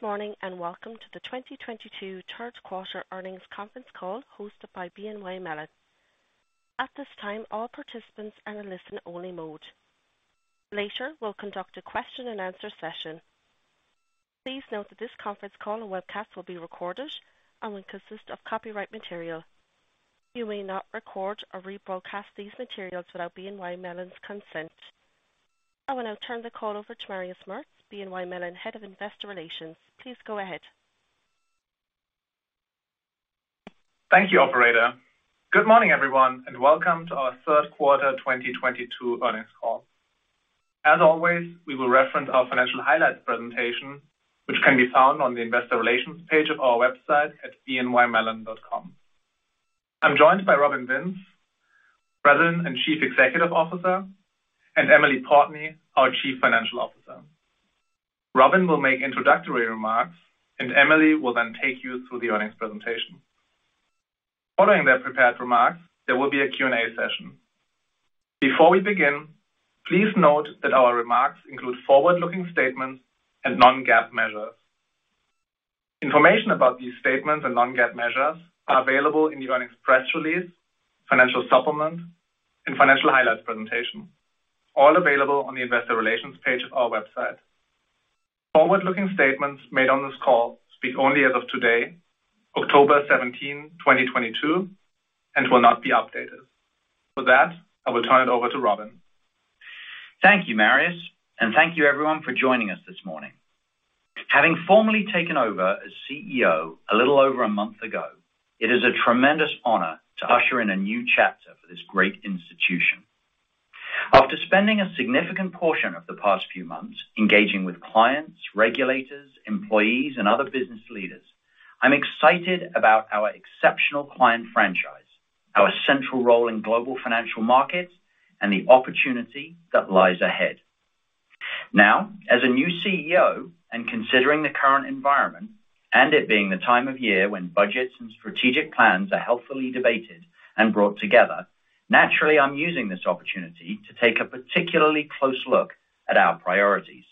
Good morning, and welcome to the 2022 third quarter earnings conference call hosted by BNY Mellon. At this time, all participants are in listen only mode. Later, we'll conduct a question-and-answer session. Please note that this conference call and webcast will be recorded and will consist of copyright material. You may not record or rebroadcast these materials without BNY Mellon's consent. I will now turn the call over to Marius Merz, BNY Mellon Head of Investor Relations. Please go ahead. Thank you, operator. Good morning, everyone, and welcome to our third quarter 2022 earnings call. As always, we will reference our financial highlights presentation, which can be found on the investor relations page of our website at bnymellon.com. I'm joined by Robin Vince, President and Chief Executive Officer, and Emily Portney, our Chief Financial Officer. Robin will make introductory remarks, and Emily will then take you through the earnings presentation. Following their prepared remarks, there will be a Q&A session. Before we begin, please note that our remarks include forward-looking statements and non-GAAP measures. Information about these statements and non-GAAP measures are available in the earnings press release, financial supplement, and financial highlights presentation, all available on the investor relations page of our website. Forward-looking statements made on this call speak only as of today, October 17, 2022, and will not be updated. With that, I will turn it over to Robin Vince. Thank you, Marius, and thank you everyone for joining us this morning. Having formally taken over as CEO a little over a month ago, it is a tremendous honor to usher in a new chapter for this great institution. After spending a significant portion of the past few months engaging with clients, regulators, employees, and other business leaders, I'm excited about our exceptional client franchise, our central role in global financial markets, and the opportunity that lies ahead. Now, as a new CEO and considering the current environment, and it being the time of year when budgets and strategic plans are healthily debated and brought together. Naturally, I'm using this opportunity to take a particularly close look at our priorities.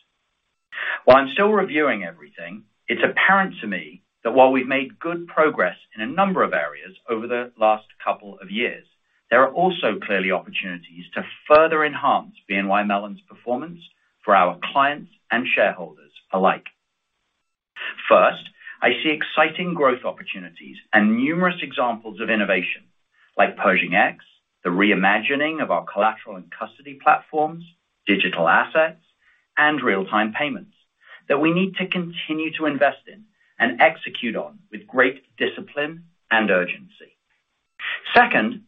While I'm still reviewing everything, it's apparent to me that while we've made good progress in a number of areas over the last couple of years, there are also clearly opportunities to further enhance BNY Mellon's performance for our clients and shareholders alike. First, I see exciting growth opportunities and numerous examples of innovation like Pershing X, the reimagining of our collateral and custody platforms, digital assets, and real-time payments that we need to continue to invest in and execute on with great discipline and urgency. Second,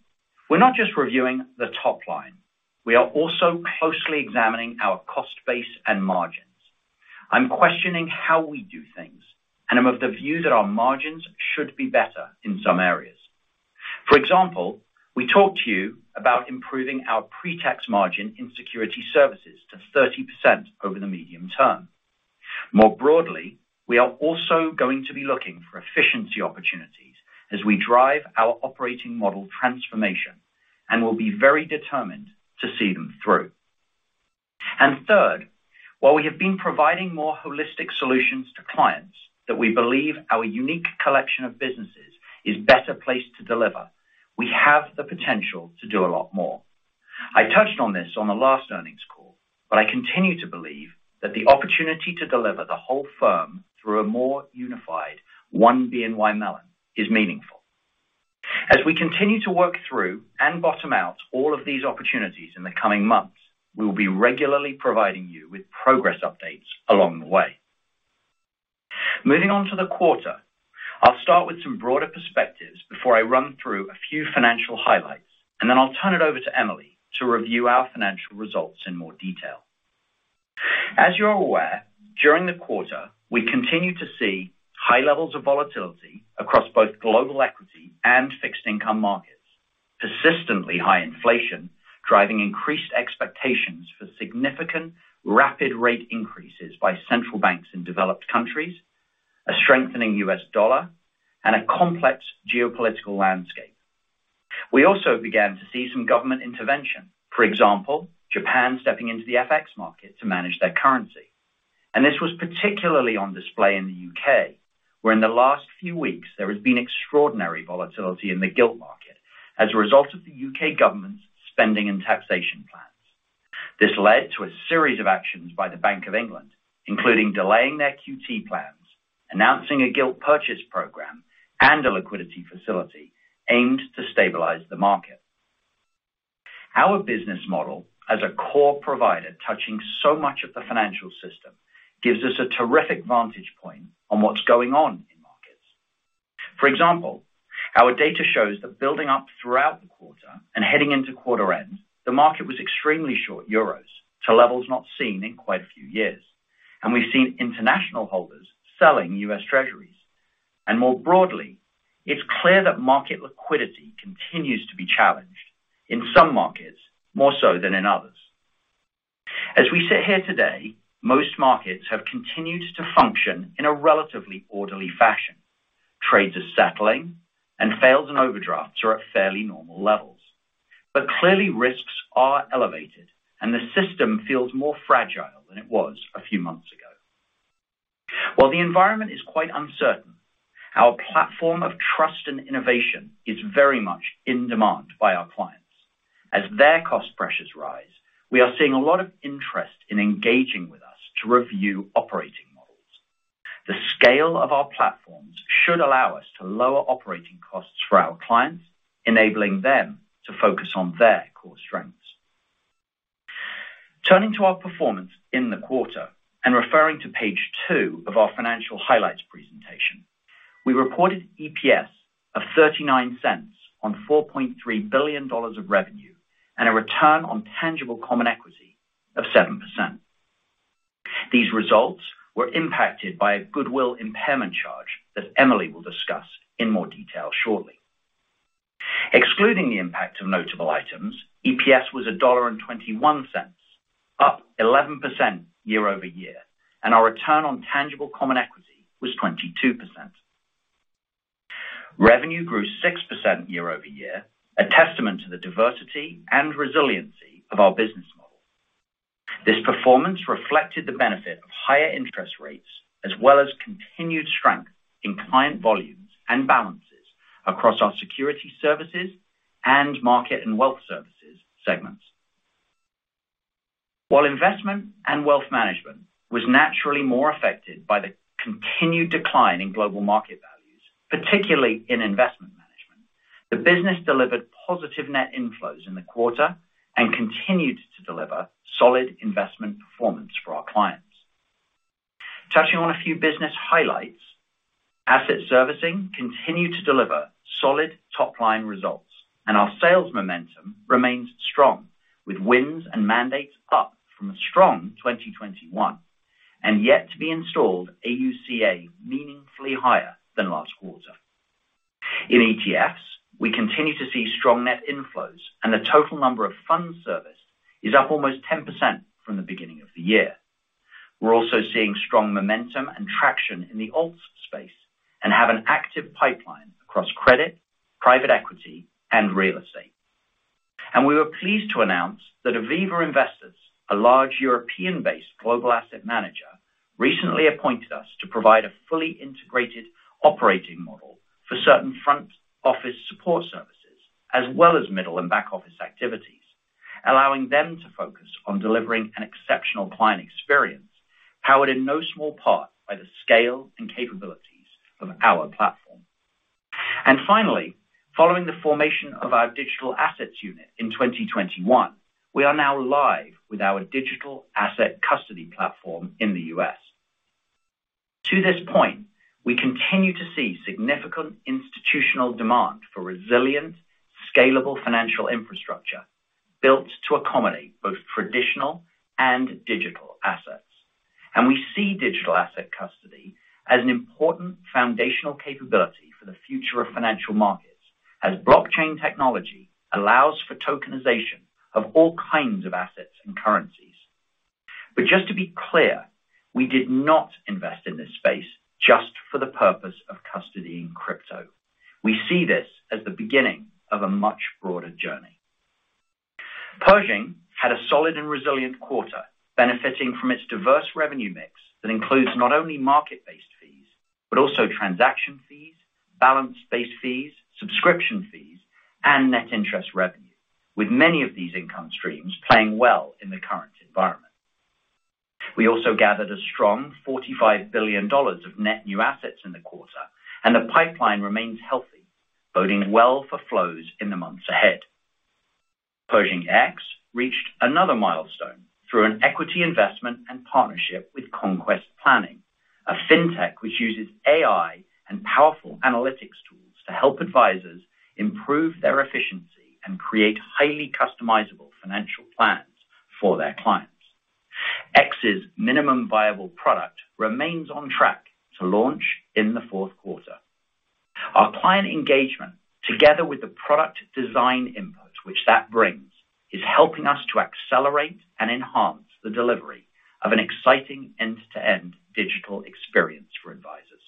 we're not just reviewing the top line. We are also closely examining our cost base and margins. I'm questioning how we do things, and I'm of the view that our margins should be better in some areas. For example, we talked to you about improving our pre-tax margin in security services to 30% over the medium term. More broadly, we are also going to be looking for efficiency opportunities as we drive our operating model transformation, and we'll be very determined to see them through. Third, while we have been providing more holistic solutions to clients that we believe our unique collection of businesses is better placed to deliver, we have the potential to do a lot more. I touched on this on the last earnings call, but I continue to believe that the opportunity to deliver the whole firm through a more unified one BNY Mellon is meaningful. As we continue to work through and bottom out all of these opportunities in the coming months, we will be regularly providing you with progress updates along the way. Moving on to the quarter. I'll start with some broader perspectives before I run through a few financial highlights, and then I'll turn it over to Emily to review our financial results in more detail. As you are aware, during the quarter, we continued to see high levels of volatility across both global equity and fixed income markets. Persistently high inflation, driving increased expectations for significant rapid rate increases by central banks in developed countries, a strengthening U.S. dollar, and a complex geopolitical landscape. We also began to see some government intervention. For example, Japan stepping into the FX market to manage their currency. This was particularly on display in the U.K., where in the last few weeks there has been extraordinary volatility in the gilt market as a result of the U.K. government's spending and taxation plans. This led to a series of actions by the Bank of England, including delaying their QT plans, announcing a gilt purchase program, and a liquidity facility aimed to stabilize the market. Our business model as a core provider touching so much of the financial system gives us a terrific vantage point on what's going on in markets. For example, our data shows that building up throughout the quarter and heading into quarter end, the market was extremely short euros to levels not seen in quite a few years. We've seen international holders selling U.S. Treasuries. More broadly, it's clear that market liquidity continues to be challenged in some markets, more so than in others. As we sit here today, most markets have continued to function in a relatively orderly fashion. Trades are settling, and fails and overdrafts are at fairly normal levels. Clearly risks are elevated, and the system feels more fragile than it was a few months ago. While the environment is quite uncertain, our platform of trust and innovation is very much in demand by our clients. As their cost pressures rise, we are seeing a lot of interest in engaging with us to review operating models. The scale of our platforms should allow us to lower operating costs for our clients, enabling them to focus on their core strengths. Turning to our performance in the quarter and referring to page two of our financial highlights presentation, we reported EPS of $0.39 on $4.3 billion of revenue and a return on tangible common equity of 7%. These results were impacted by a goodwill impairment charge that Emily will discuss in more detail shortly. Excluding the impact of notable items, EPS was $1.21, up 11% year-over-year, and our return on tangible common equity was 22%. Revenue grew 6% year-over-year, a testament to the diversity and resiliency of our business model. This performance reflected the benefit of higher interest rates as well as continued strength in client volumes and balances across our security services and market and wealth services segments. While investment and wealth management was naturally more affected by the continued decline in global market values, particularly in investment management, the business delivered positive net inflows in the quarter and continued to deliver solid investment performance for our clients. Touching on a few business highlights. Asset servicing continued to deliver solid top-line results, and our sales momentum remains strong with wins and mandates up from a strong 2021, and yet to be installed AUCA meaningfully higher than last quarter. In ETFs, we continue to see strong net inflows, and the total number of funds serviced is up almost 10% from the beginning of the year. We're also seeing strong momentum and traction in the alts space and have an active pipeline across credit, private equity, and real estate. We were pleased to announce that Aviva Investors, a large European-based global asset manager, recently appointed us to provide a fully integrated operating model for certain front-office support services as well as middle and back-office activities, allowing them to focus on delivering an exceptional client experience, powered in no small part by the scale and capabilities of our platform. Finally, following the formation of our digital assets unit in 2021, we are now live with our digital asset custody platform in the U.S. To this point, we continue to see significant institutional demand for resilient, scalable financial infrastructure built to accommodate both traditional and digital assets. We see digital asset custody as an important foundational capability for the future of financial markets as blockchain technology allows for tokenization of all kinds of assets and currencies. Just to be clear, we did not invest in this space just for the purpose of custody and crypto. We see this as the beginning of a much broader journey. Pershing had a solid and resilient quarter benefiting from its diverse revenue mix that includes not only market-based fees, but also transaction fees, balance-based fees, subscription fees, and net interest revenue, with many of these income streams playing well in the current environment. We also gathered a strong $45 billion of net new assets in the quarter, and the pipeline remains healthy, boding well for flows in the months ahead. Pershing X reached another milestone through an equity investment and partnership with Conquest Planning, a fintech which uses AI and powerful analytics tools to help advisors improve their efficiency and create highly customizable financial plans for their clients. X's minimum viable product remains on track to launch in the fourth quarter. Our client engagement, together with the product design input which that brings, is helping us to accelerate and enhance the delivery of an exciting end-to-end digital experience for advisors.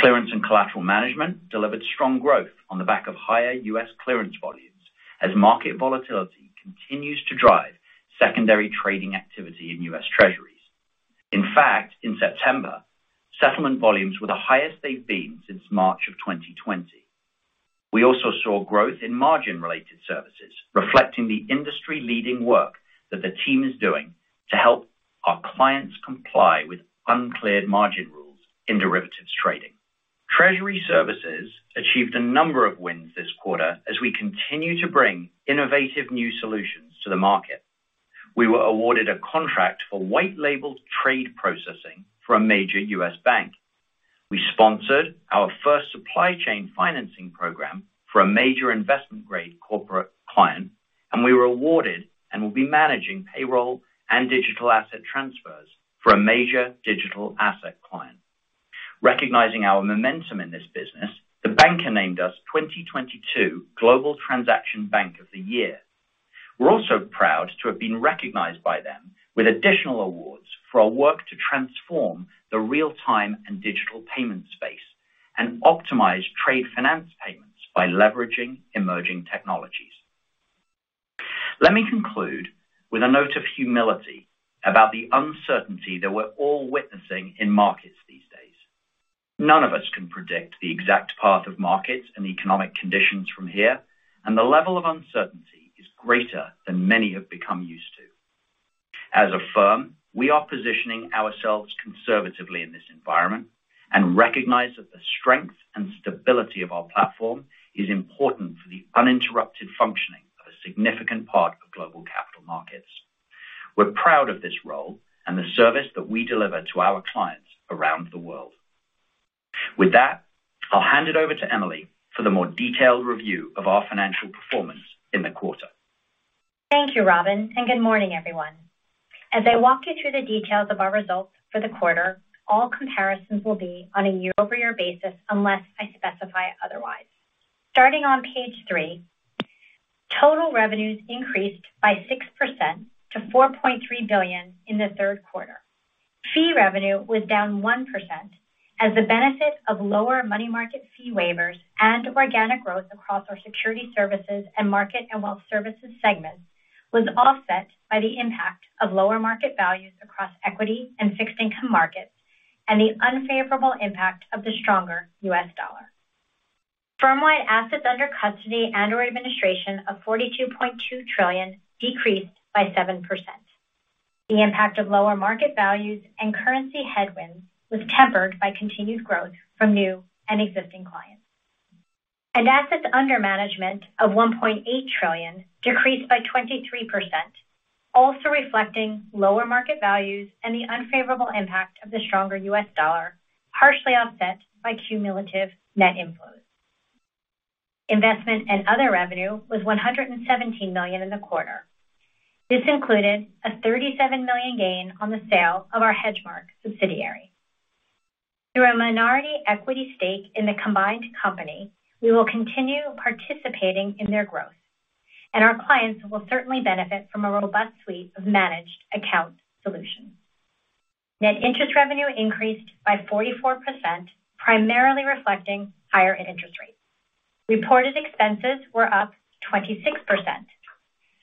Clearance and collateral management delivered strong growth on the back of higher U.S. clearance volumes as market volatility continues to drive secondary trading activity in U.S. Treasuries. In fact, in September, settlement volumes were the highest they've been since March of 2020. We also saw growth in margin-related services reflecting the industry-leading work that the team is doing to help our clients comply with uncleared margin rules in derivatives trading. Treasury services achieved a number of wins this quarter as we continue to bring innovative new solutions to the market. We were awarded a contract for white label trade processing for a major U.S. bank. We sponsored our first supply chain financing program for a major investment-grade corporate client, and we were awarded and will be managing payroll and digital asset transfers for a major digital asset client. Recognizing our momentum in this business, The Banker named us 2022 Global Transaction Bank of the Year. We're also proud to have been recognized by them with additional awards for our work to transform the real-time and digital payment space and optimize trade finance payments by leveraging emerging technologies. Let me conclude with a note of humility about the uncertainty that we're all witnessing in markets these days. None of us can predict the exact path of markets and economic conditions from here, and the level of uncertainty is greater than many have become used to. As a firm, we are positioning ourselves conservatively in this environment and recognize that the strength and stability of our platform is important for the uninterrupted functioning of a significant part of global capital markets. We're proud of this role and the service that we deliver to our clients around the world. With that, I'll hand it over to Emily for the more detailed review of our financial performance in the quarter. Thank you, Robin, and good morning, everyone. As I walk you through the details of our results for the quarter, all comparisons will be on a year-over-year basis unless I specify otherwise. Starting on page three, to.tal revenues increased by 6% to $4.3 billion in the third quarter. Fee revenue was down 1% as the benefit of lower money market fee waivers and organic growth across our security services and market and wealth services segments was offset by the impact of lower market values across equity and fixed income markets and the unfavorable impact of the stronger U.S. dollar. Firm-wide assets under custody and/or administration of $42.2 trillion decreased by 7%. The impact of lower market values and currency headwinds was tempered by continued growth from new and existing clients. Assets under management of 1.8 trillion decreased by 23%, also reflecting lower market values and the unfavorable impact of the stronger U.S. dollar, partially offset by cumulative net inflows. Investment and other revenue was $117 million in the quarter. This included a $37 million gain on the sale of our HedgeMark subsidiary. Through a minority equity stake in the combined company, we will continue participating in their growth, and our clients will certainly benefit from a robust suite of managed account solutions. Net interest revenue increased by 44%, primarily reflecting higher interest rates. Reported expenses were up 26%.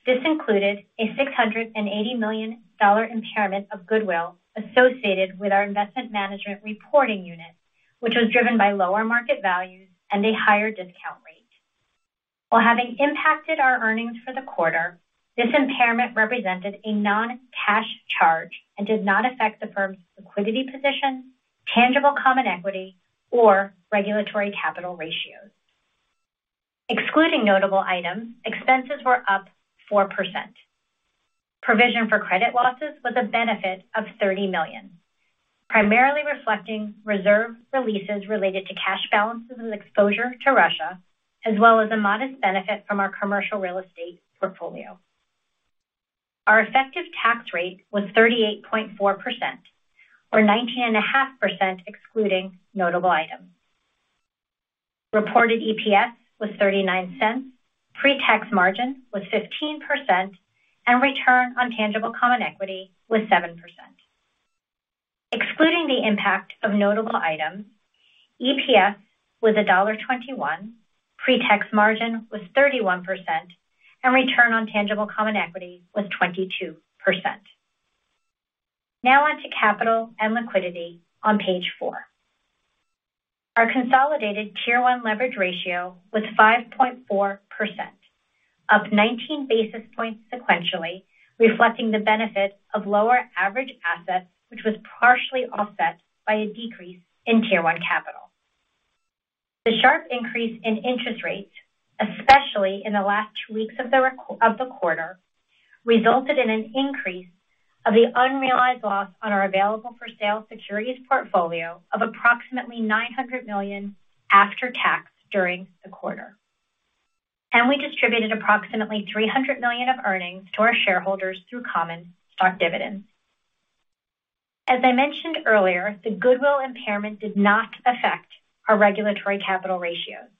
This included a $680 million impairment of goodwill associated with our investment management reporting unit, which was driven by lower market values and a higher discount rate. While having impacted our earnings for the quarter, this impairment represented a non-cash charge and did not affect the firm's liquidity position, tangible common equity, or regulatory capital ratios. Excluding notable items, expenses were up 4%. Provision for credit losses was a benefit of $30 million, primarily reflecting reserve releases related to cash balances and exposure to Russia, as well as a modest benefit from our commercial real estate portfolio. Our effective tax rate was 38.4% or 19.5% excluding notable items. Reported EPS was $0.39. Pre-tax margin was 15%, and return on tangible common equity was 7%. Excluding the impact of notable items, EPS was $1.21, pre-tax margin was 31%, and return on tangible common equity was 22%. Now on to capital and liquidity on page four. Our consolidated Tier 1 leverage ratio was 5.4%, up 19 basis points sequentially, reflecting the benefit of lower average assets, which was partially offset by a decrease in Tier 1 capital. The sharp increase in interest rates, especially in the last two weeks of the quarter, resulted in an increase of the unrealized loss on our available-for-sale securities portfolio of approximately $900 million after tax during the quarter. We distributed approximately $300 million of earnings to our shareholders through common stock dividends. As I mentioned earlier, the goodwill impairment did not affect our regulatory capital ratios.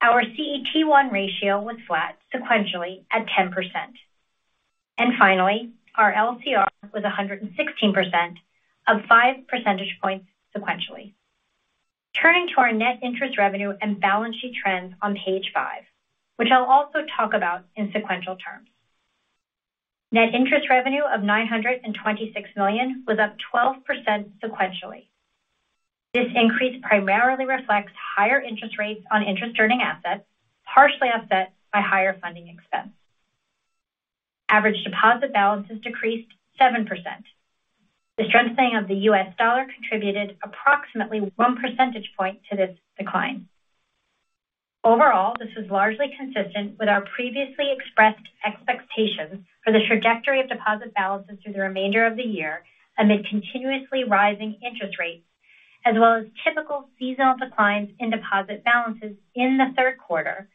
Our CET1 ratio was flat sequentially at 10%. Finally, our LCR was 116%, up 5 percentage points sequentially. Turning to our net interest revenue and balance sheet trends on page five, which I'll also talk about in sequential terms. Net interest revenue of $926 million was up 12% sequentially. This increase primarily reflects higher interest rates on interest-earning assets, partially offset by higher funding expense. Average deposit balances decreased 7%. The strengthening of the U.S. dollar contributed approximately one percentage point to this decline. Overall, this is largely consistent with our previously expressed expectations for the trajectory of deposit balances through the remainder of the year amid continuously rising interest rates, as well as typical seasonal declines in deposit balances in the third quarter,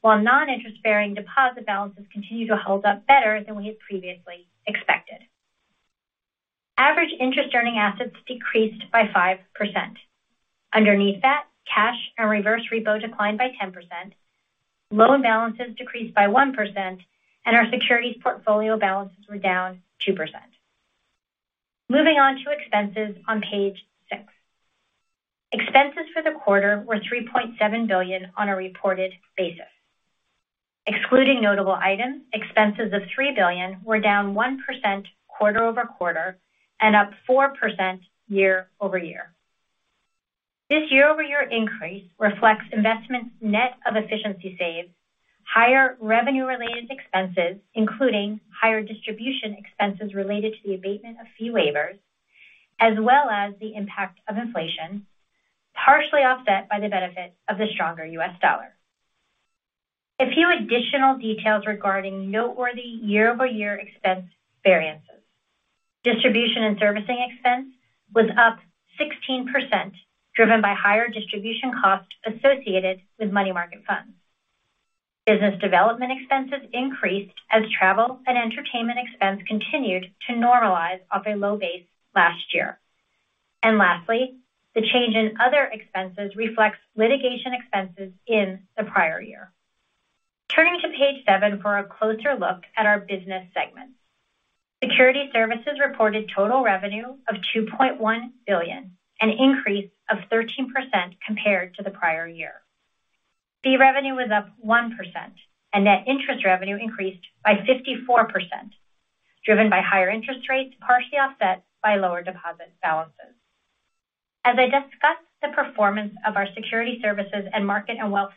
while non-interest-bearing deposit balances continue to hold up better than we had previously expected. Average interest-earning assets decreased by 5%. Underneath that, cash and reverse repo declined by 10%, loan balances decreased by 1%, and our securities portfolio balances were down 2%. Moving on to expenses on page six. Expenses for the quarter were $3.7 billion on a reported basis. Excluding notable items, expenses of $3 billion were down 1% quarter-over-quarter and up 4% year-over-year. This year-over-year increase reflects investments net of efficiency saves, higher revenue related expenses, including higher distribution expenses related to the abatement of fee waivers, as well as the impact of inflation, partially offset by the benefit of the stronger U.S. dollar. A few additional details regarding noteworthy year-over-year expense variances. Distribution and servicing expense was up 16%, driven by higher distribution costs associated with money market funds. Business development expenses increased as travel and entertainment expense continued to normalize off a low base last year. Lastly, the change in other expenses reflects litigation expenses in the prior year. Turning to page seven for a closer look at our business segments. Security services reported total revenue of $2.1 billion, an increase of 13% compared to the prior year. Fee revenue was up 1% and net interest revenue increased by 54%, driven by higher interest rates, partially offset by lower deposit balances. As I discuss the performance of our security services and market and wealth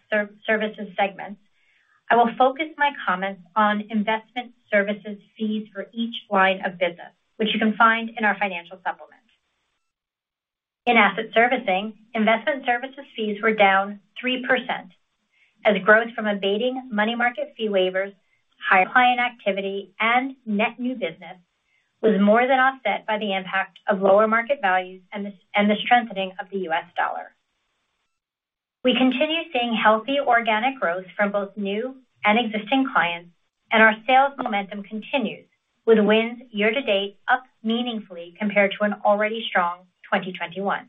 services segments, I will focus my comments on investment services fees for each line of business, which you can find in our financial supplement. In asset servicing, investment services fees were down 3% as growth from abating money market fee waivers, high client activity and net new business was more than offset by the impact of lower market values and the strengthening of the U.S. dollar. We continue seeing healthy organic growth from both new and existing clients, and our sales momentum continues with wins year to date up meaningfully compared to an already strong 2021.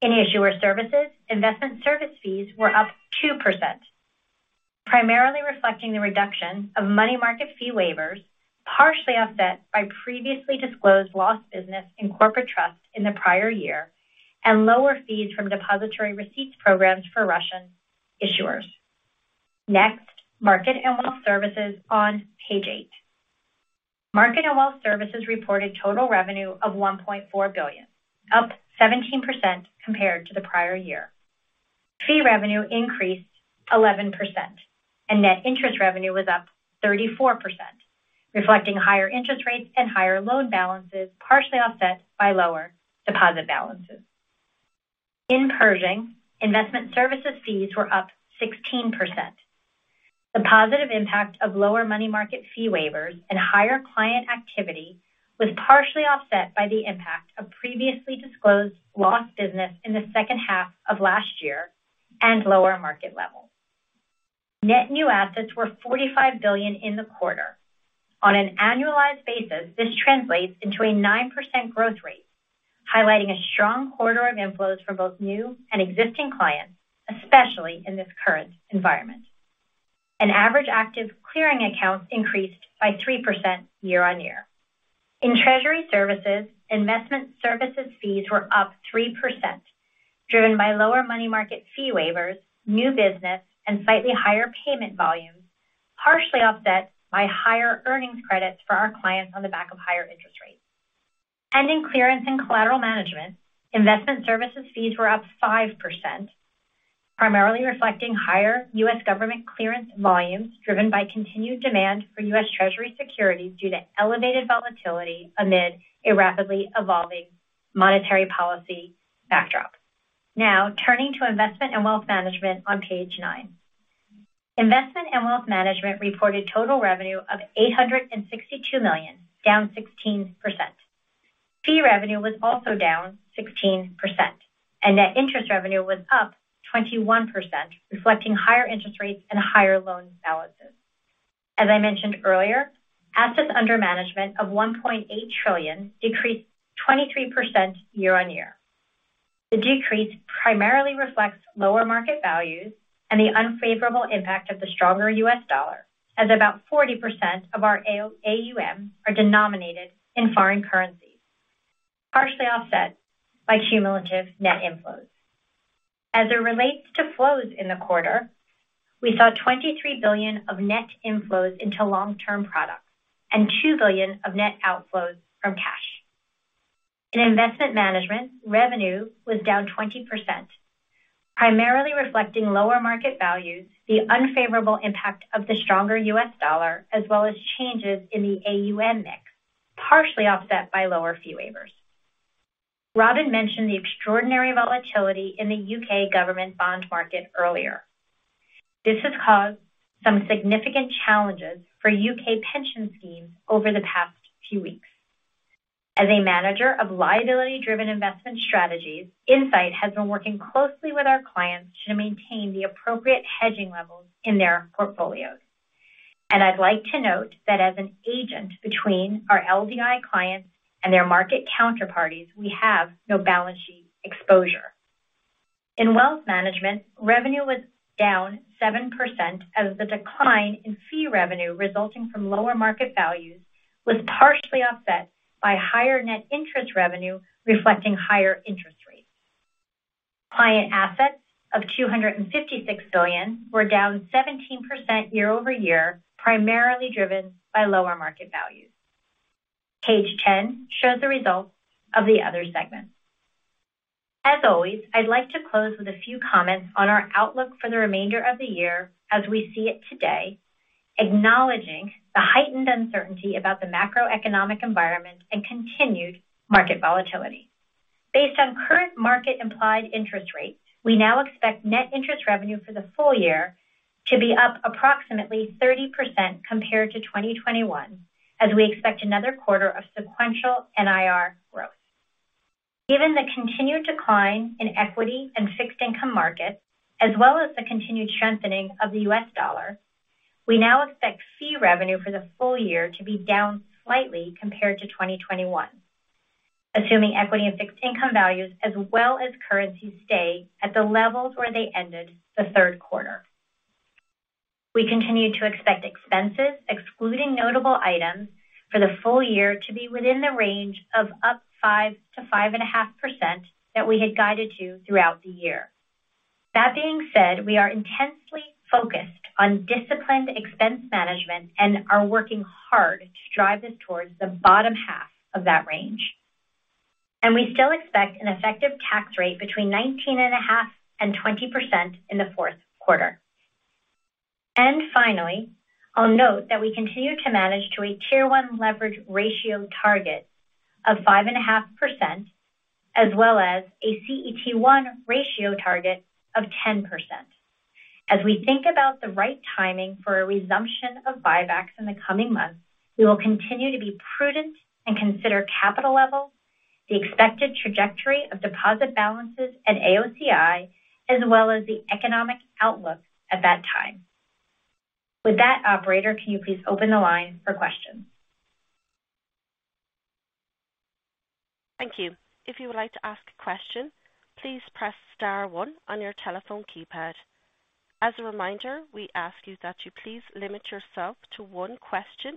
In issuer services, investment service fees were up 2%, primarily reflecting the reduction of money market fee waivers, partially offset by previously disclosed lost business in corporate trust in the prior year and lower fees from depository receipts programs for Russian issuers. Next, market and wealth services on page eight. Market and wealth services reported total revenue of $1.4 billion, up 17% compared to the prior year. Fee revenue increased 11% and net interest revenue was up 34%, reflecting higher interest rates and higher loan balances, partially offset by lower deposit balances. In Pershing, investment services fees were up 16%. The positive impact of lower money market fee waivers and higher client activity was partially offset by the impact of previously disclosed lost business in the second half of last year and lower market levels. Net new assets were $45 billion in the quarter. On an annualized basis, this translates into a 9% growth rate, highlighting a strong quarter of inflows for both new and existing clients, especially in this current environment. Average active clearing accounts increased by 3% year-on-year. In treasury services, investment services fees were up 3%, driven by lower money market fee waivers, new business and slightly higher payment volumes, partially offset by higher earnings credits for our clients on the back of higher interest rates. In clearance and collateral management, investment services fees were up 5%, primarily reflecting higher U.S. government clearance volumes driven by continued demand for U.S. Treasury securities due to elevated volatility amid a rapidly evolving monetary policy backdrop. Now turning to investment and wealth management on page nine. Investment and wealth management reported total revenue of $862 million, down 16%. Fee revenue was also down 16%, and net interest revenue was up 21%, reflecting higher interest rates and higher loan balances. As I mentioned earlier, assets under management of $1.8 trillion decreased 23% year-on-year. The decrease primarily reflects lower market values and the unfavorable impact of the stronger U.S. dollar as about 40% of our AUM are denominated in foreign currencies, partially offset by cumulative net inflows. As it relates to flows in the quarter, we saw $23 billion of net inflows into long-term products and $2 billion of net outflows from cash. In investment management, revenue was down 20%, primarily reflecting lower market values, the unfavorable impact of the stronger U.S. dollar as well as changes in the AUM mix, partially offset by lower fee waivers. Robin mentioned the extraordinary volatility in the U.K. government bond market earlier. This has caused some significant challenges for U.K. pension schemes over the past few weeks. As a manager of liability driven investment strategies, Insight has been working closely with our clients to maintain the appropriate hedging levels in their portfolios. I'd like to note that as an agent between our LDI clients and their market counterparties, we have no balance sheet exposure. In wealth management, revenue was down 7% as the decline in fee revenue resulting from lower market values was partially offset by higher net interest revenue reflecting higher interest rates. Client assets of $256 billion were down 17% year-over-year, primarily driven by lower market values. Page 10 shows the results of the other segments. As always, I'd like to close with a few comments on our outlook for the remainder of the year as we see it today, acknowledging the heightened uncertainty about the macroeconomic environment and continued market volatility. Based on current market implied interest rates, we now expect net interest revenue for the full year to be up approximately 30% compared to 2021, as we expect another quarter of sequential NIR growth. Given the continued decline in equity and fixed income markets, as well as the continued strengthening of the U.S. dollar, we now expect fee revenue for the full year to be down slightly compared to 2021. Assuming equity and fixed income values as well as currency stay at the levels where they ended the third quarter. We continue to expect expenses excluding notable items for the full year to be within the range of up 5%-5.5% that we had guided to throughout the year. That being said, we are intensely focused on disciplined expense management and are working hard to drive this towards the bottom half of that range. We still expect an effective tax rate between 19.5%-20% in the fourth quarter. Finally, I'll note that we continue to manage to a Tier 1 leverage ratio target of 5.5% as well as a CET1 ratio target of 10%. As we think about the right timing for a resumption of buybacks in the coming months, we will continue to be prudent and consider capital levels, the expected trajectory of deposit bal.ances at AOCI, as well as the economic outlook at that time. With that, operator, can you please open the line for questions? Thank you. If you would like to ask a question, please press star one on your telephone keypad. As a reminder, we ask you that you please limit yourself to one question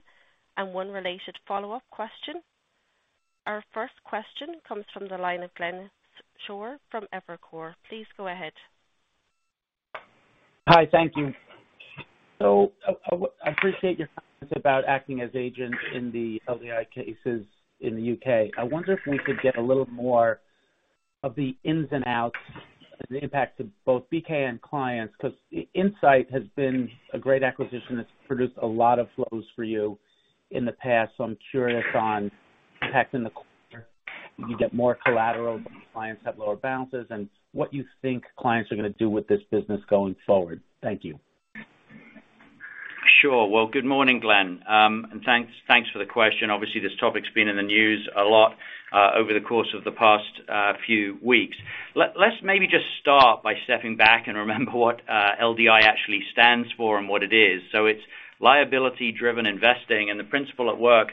and one related follow-up question. Our first question comes from the line of Glenn Schorr from Evercore. Please go ahead. Hi. Thank you. I appreciate your comments about acting as agent in the LDI cases in the U.K.. I wonder if we could get a little more of the ins and outs of the impact to both BNY and clients, because Insight has been a great acquisition that's produced a lot of flows for you in the past. I'm curious on impacting the quarter. You get more collateral, but clients have lower balances. What you think clients are going to do with this business going forward. Thank you. Sure. Well, good morning, Glenn, and thanks for the question. Obviously, this topic's been in the news a lot over the course of the past few weeks. Let's maybe just start by stepping back and remember what LDI actually stands for and what it is. It's liability driven investing. The principle at work,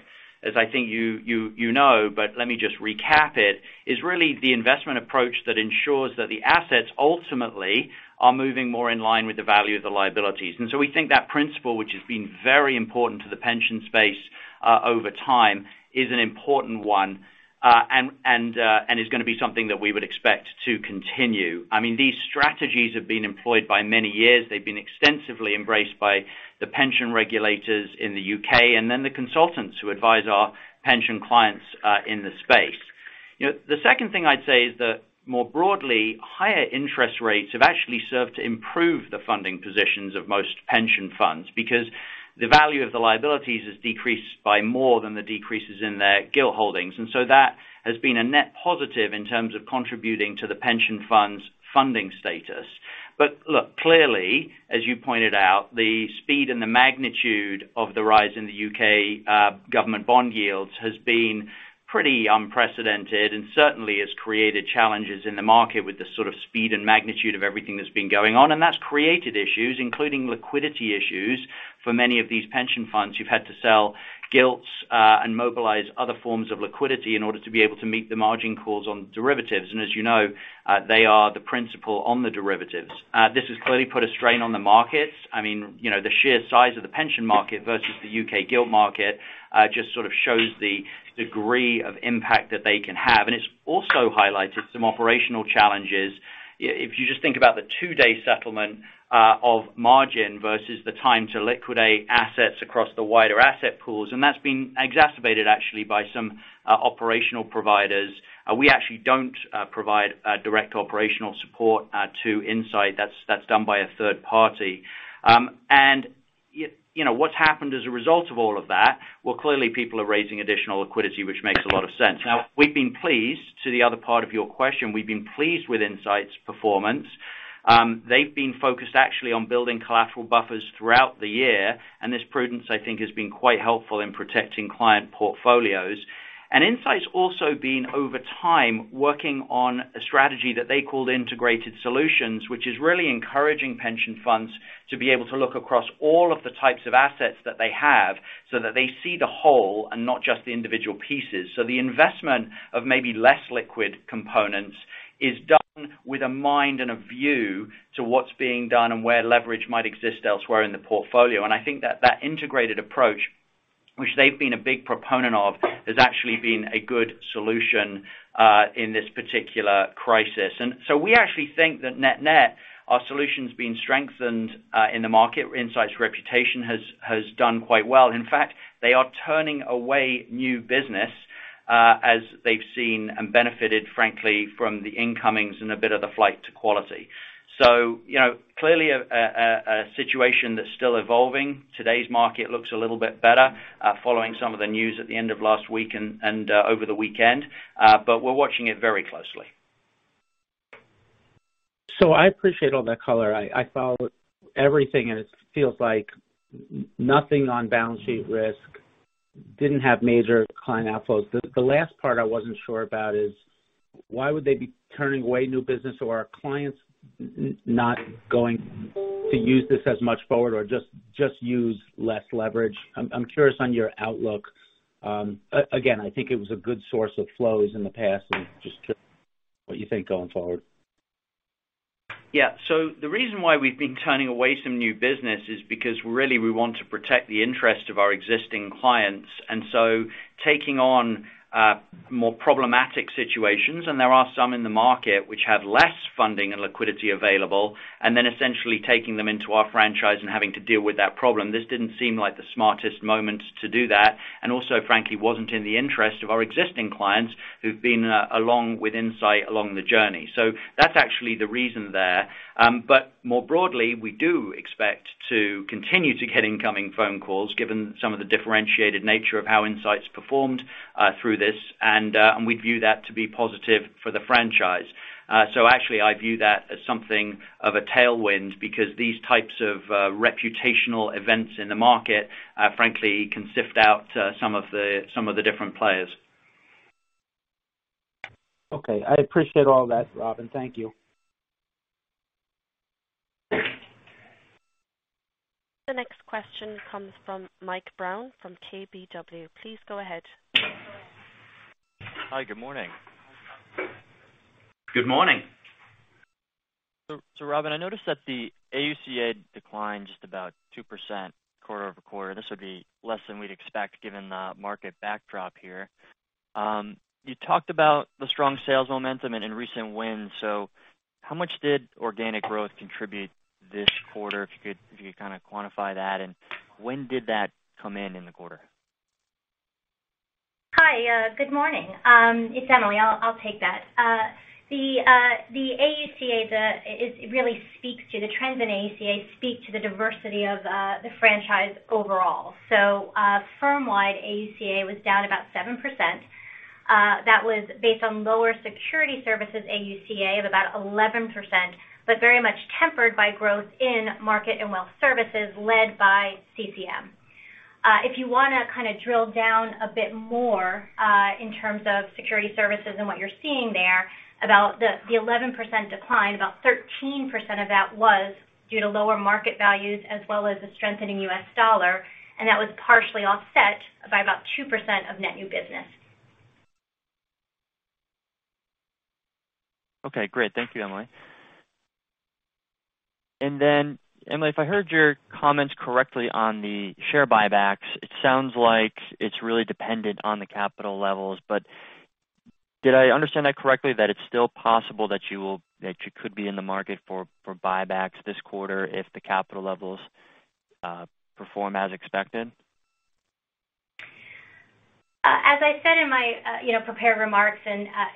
as I think you know, but let me just recap it, is really the investment approach that ensures that the assets ultimately are moving more in line with the value of the liabilities. We think that principle, which has been very important to the pension space over time, is an important one, and is going to be something that we would expect to continue. I mean, these strategies have been employed for many years. They've been extensively embraced by the pension regulators in the U.K. and then the consultants who advise our pension clients in the space. You know, the second thing I'd say is that more broadly, higher interest rates have actually served to improve the funding positions of most pension funds because the value of the liabilities has decreased by more than the decreases in their gilt holdings. That has been a net positive in terms of contributing to the pension fund's funding status. Look, clearly, as you pointed out, the speed and the magnitude of the rise in the U.K. government bond yields has been pretty unprecedented and certainly has created challenges in the market with the sort of speed and magnitude of everything that's been going on. That's created issues, including liquidity issues for many of these pension funds. You've had to sell gilts and mobilize other forms of liquidity in order to be able to meet the margin calls on derivatives. As you know, they are the principal on the derivatives. This has clearly put a strain on the markets. I mean, you know, the sheer size of the pension market versus the U.K. gilt market just sort of shows the degree of impact that they can have. It's also highlighted some operational challenges. If you just think about the two-day settlement of margin versus the time to liquidate assets across the wider asset pools, and that's been exacerbated actually by some operational providers. We actually don't provide direct operational support to Insight. That's done by a third party. You know, what's happened as a result of all of that, well, clearly people are raising additional liquidity, which makes a lot of sense. Now, to the other part of your question, we've been pleased with Insight's performance. They've been focused actually on building collateral buffers throughout the year. This prudence, I think, has been quite helpful in protecting client portfolios. Insight's also been over time working on a strategy that they called Integrated Solutions, which is really encouraging pension funds to be able to look across all of the types of assets that they have so that they see the whole and not just the individual pieces. The investment of maybe less liquid components is done with a mind and a view to what's being done and where leverage might exist elsewhere in the portfolio. I think that integrated approach, which they've been a big proponent of, has actually been a good solution in this particular crisis. We actually think that net-net, our solution's been strengthened in the market. Insight's reputation has done quite well. In fact, they are turning away new business as they've seen and benefited, frankly, from the incomings and a bit of the flight to quality. You know, clearly a situation that's still evolving. Today's market looks a little bit better following some of the news at the end of last week and over the weekend. We're watching it very closely. I appreciate all that color. I followed everything, and it feels like nothing on balance sheet risk. Didn't have major client outflows. The last part I wasn't sure about is why would they be turning away new business or are clients not going to use this as much forward or just use less leverage? I'm curious on your outlook. Again, I think it was a good source of flows in the past and just what you think going forward. Yeah. The reason why we've been turning away some new business is because really we want to protect the interest of our existing clients. Taking on more problematic situations, and there are some in the market which have less funding and liquidity available, and then essentially taking them into our franchise and having to deal with that problem, this didn't seem like the smartest moment to do that, and also, frankly, wasn't in the interest of our existing clients who've been along with Insight along the journey. That's actually the reason there. More broadly, we do expect to continue to get incoming phone calls given some of the differentiated nature of how Insight's performed through this. We view that to be positive for the franchise. Actually, I view that as something of a tailwind because these types of reputational events in the market, frankly, can sift out some of the different players. Okay. I appreciate all that, Robin. Thank you. The next question comes from Mike Brown from KBW. Please go ahead. Hi. Good morning. Good morning. Robin, I noticed that the AUCA declined just about 2% quarter-over-quarter. This would be less than we'd expect given the market backdrop here. You talked about the strong sales momentum and in recent wins. How much did organic growth contribute this quarter, if you could kinda quantify that, and when did that come in in the quarter? Hi. Good morning. It's Emily. I'll take that. The AUCA. It really speaks to the trends, and AUCA speak to the diversity of the franchise overall. Firm-wide AUCA was down about 7%. That was based on lower security services AUCA of about 11%, but very much tempered by growth in market and wealth services led by CCM. If you wanna kinda drill down a bit more, in terms of security services and what you're seeing there about the 11% decline, about 13% of that was due to lower market values as well as the strengthening U.S. dollar, and that was partially offset by about 2% of net new business. Okay, great. Thank you, Emily. Emily, if I heard your comments correctly on the share buybacks, it sounds like it's really dependent on the capital levels. Did I understand that correctly, that it's still possible that you could be in the market for buybacks this quarter if the capital levels perform as expected? As I said in my prepared remarks,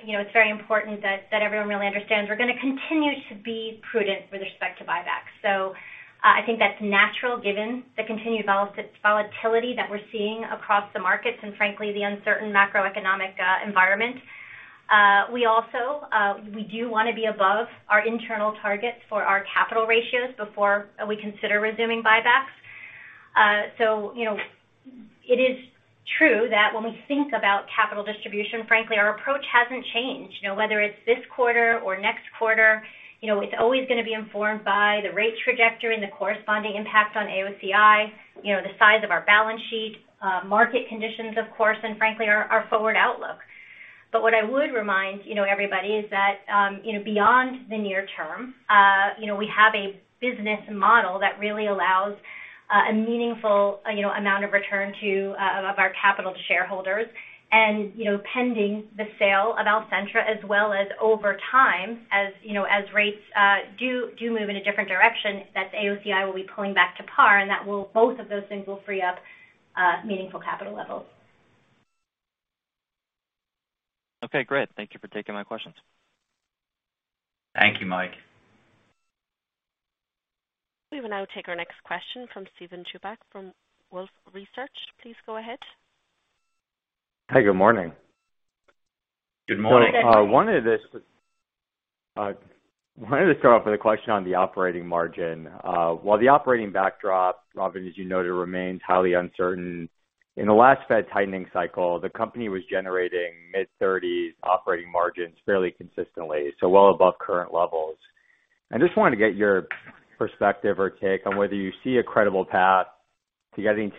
you know, it's very important that everyone really understands we're gonna continue to be prudent with respect to buybacks. I think that's natural given the continued volatility that we're seeing across the markets and frankly the uncertain macroeconomic environment. We also wanna be above our internal targets for our capital ratios before we consider resuming buybacks. You know, it is true that when we think about capital distribution, frankly, our approach hasn't changed. You know, whether it's this quarter or next quarter, you know, it's always gonna be informed by the rate trajectory and the corresponding impact on AOCI, you know, the size of our balance sheet, market conditions of course, and frankly our forward outlook. What I would remind, you know, everybody is that, you know, beyond the near term, you know, we have a business model that really allows a meaningful, you know, amount of return to of our capital to shareholders. You know, pending the sale of Alcentra as well as over time, as, you know, as rates do move in a different direction, that AOCI will be pulling back to par, and that will, both of those things will free up meaningful capital levels. Okay, great. Thank you for taking my questions. Thank you, Mike. We will now take our next question from Steven Chubak from Wolfe Research. Please go ahead. Hi, good morning. Good morning. Wanted to start off with a question on the operating margin. While the operating backdrop, Robin, as you noted, remains highly uncertain, in the last Fed tightening cycle, the company was generating mid-30s% operating margins fairly consistently, so well above current levels. I just wanted to get your perspective or take on whether you see a credible path to getting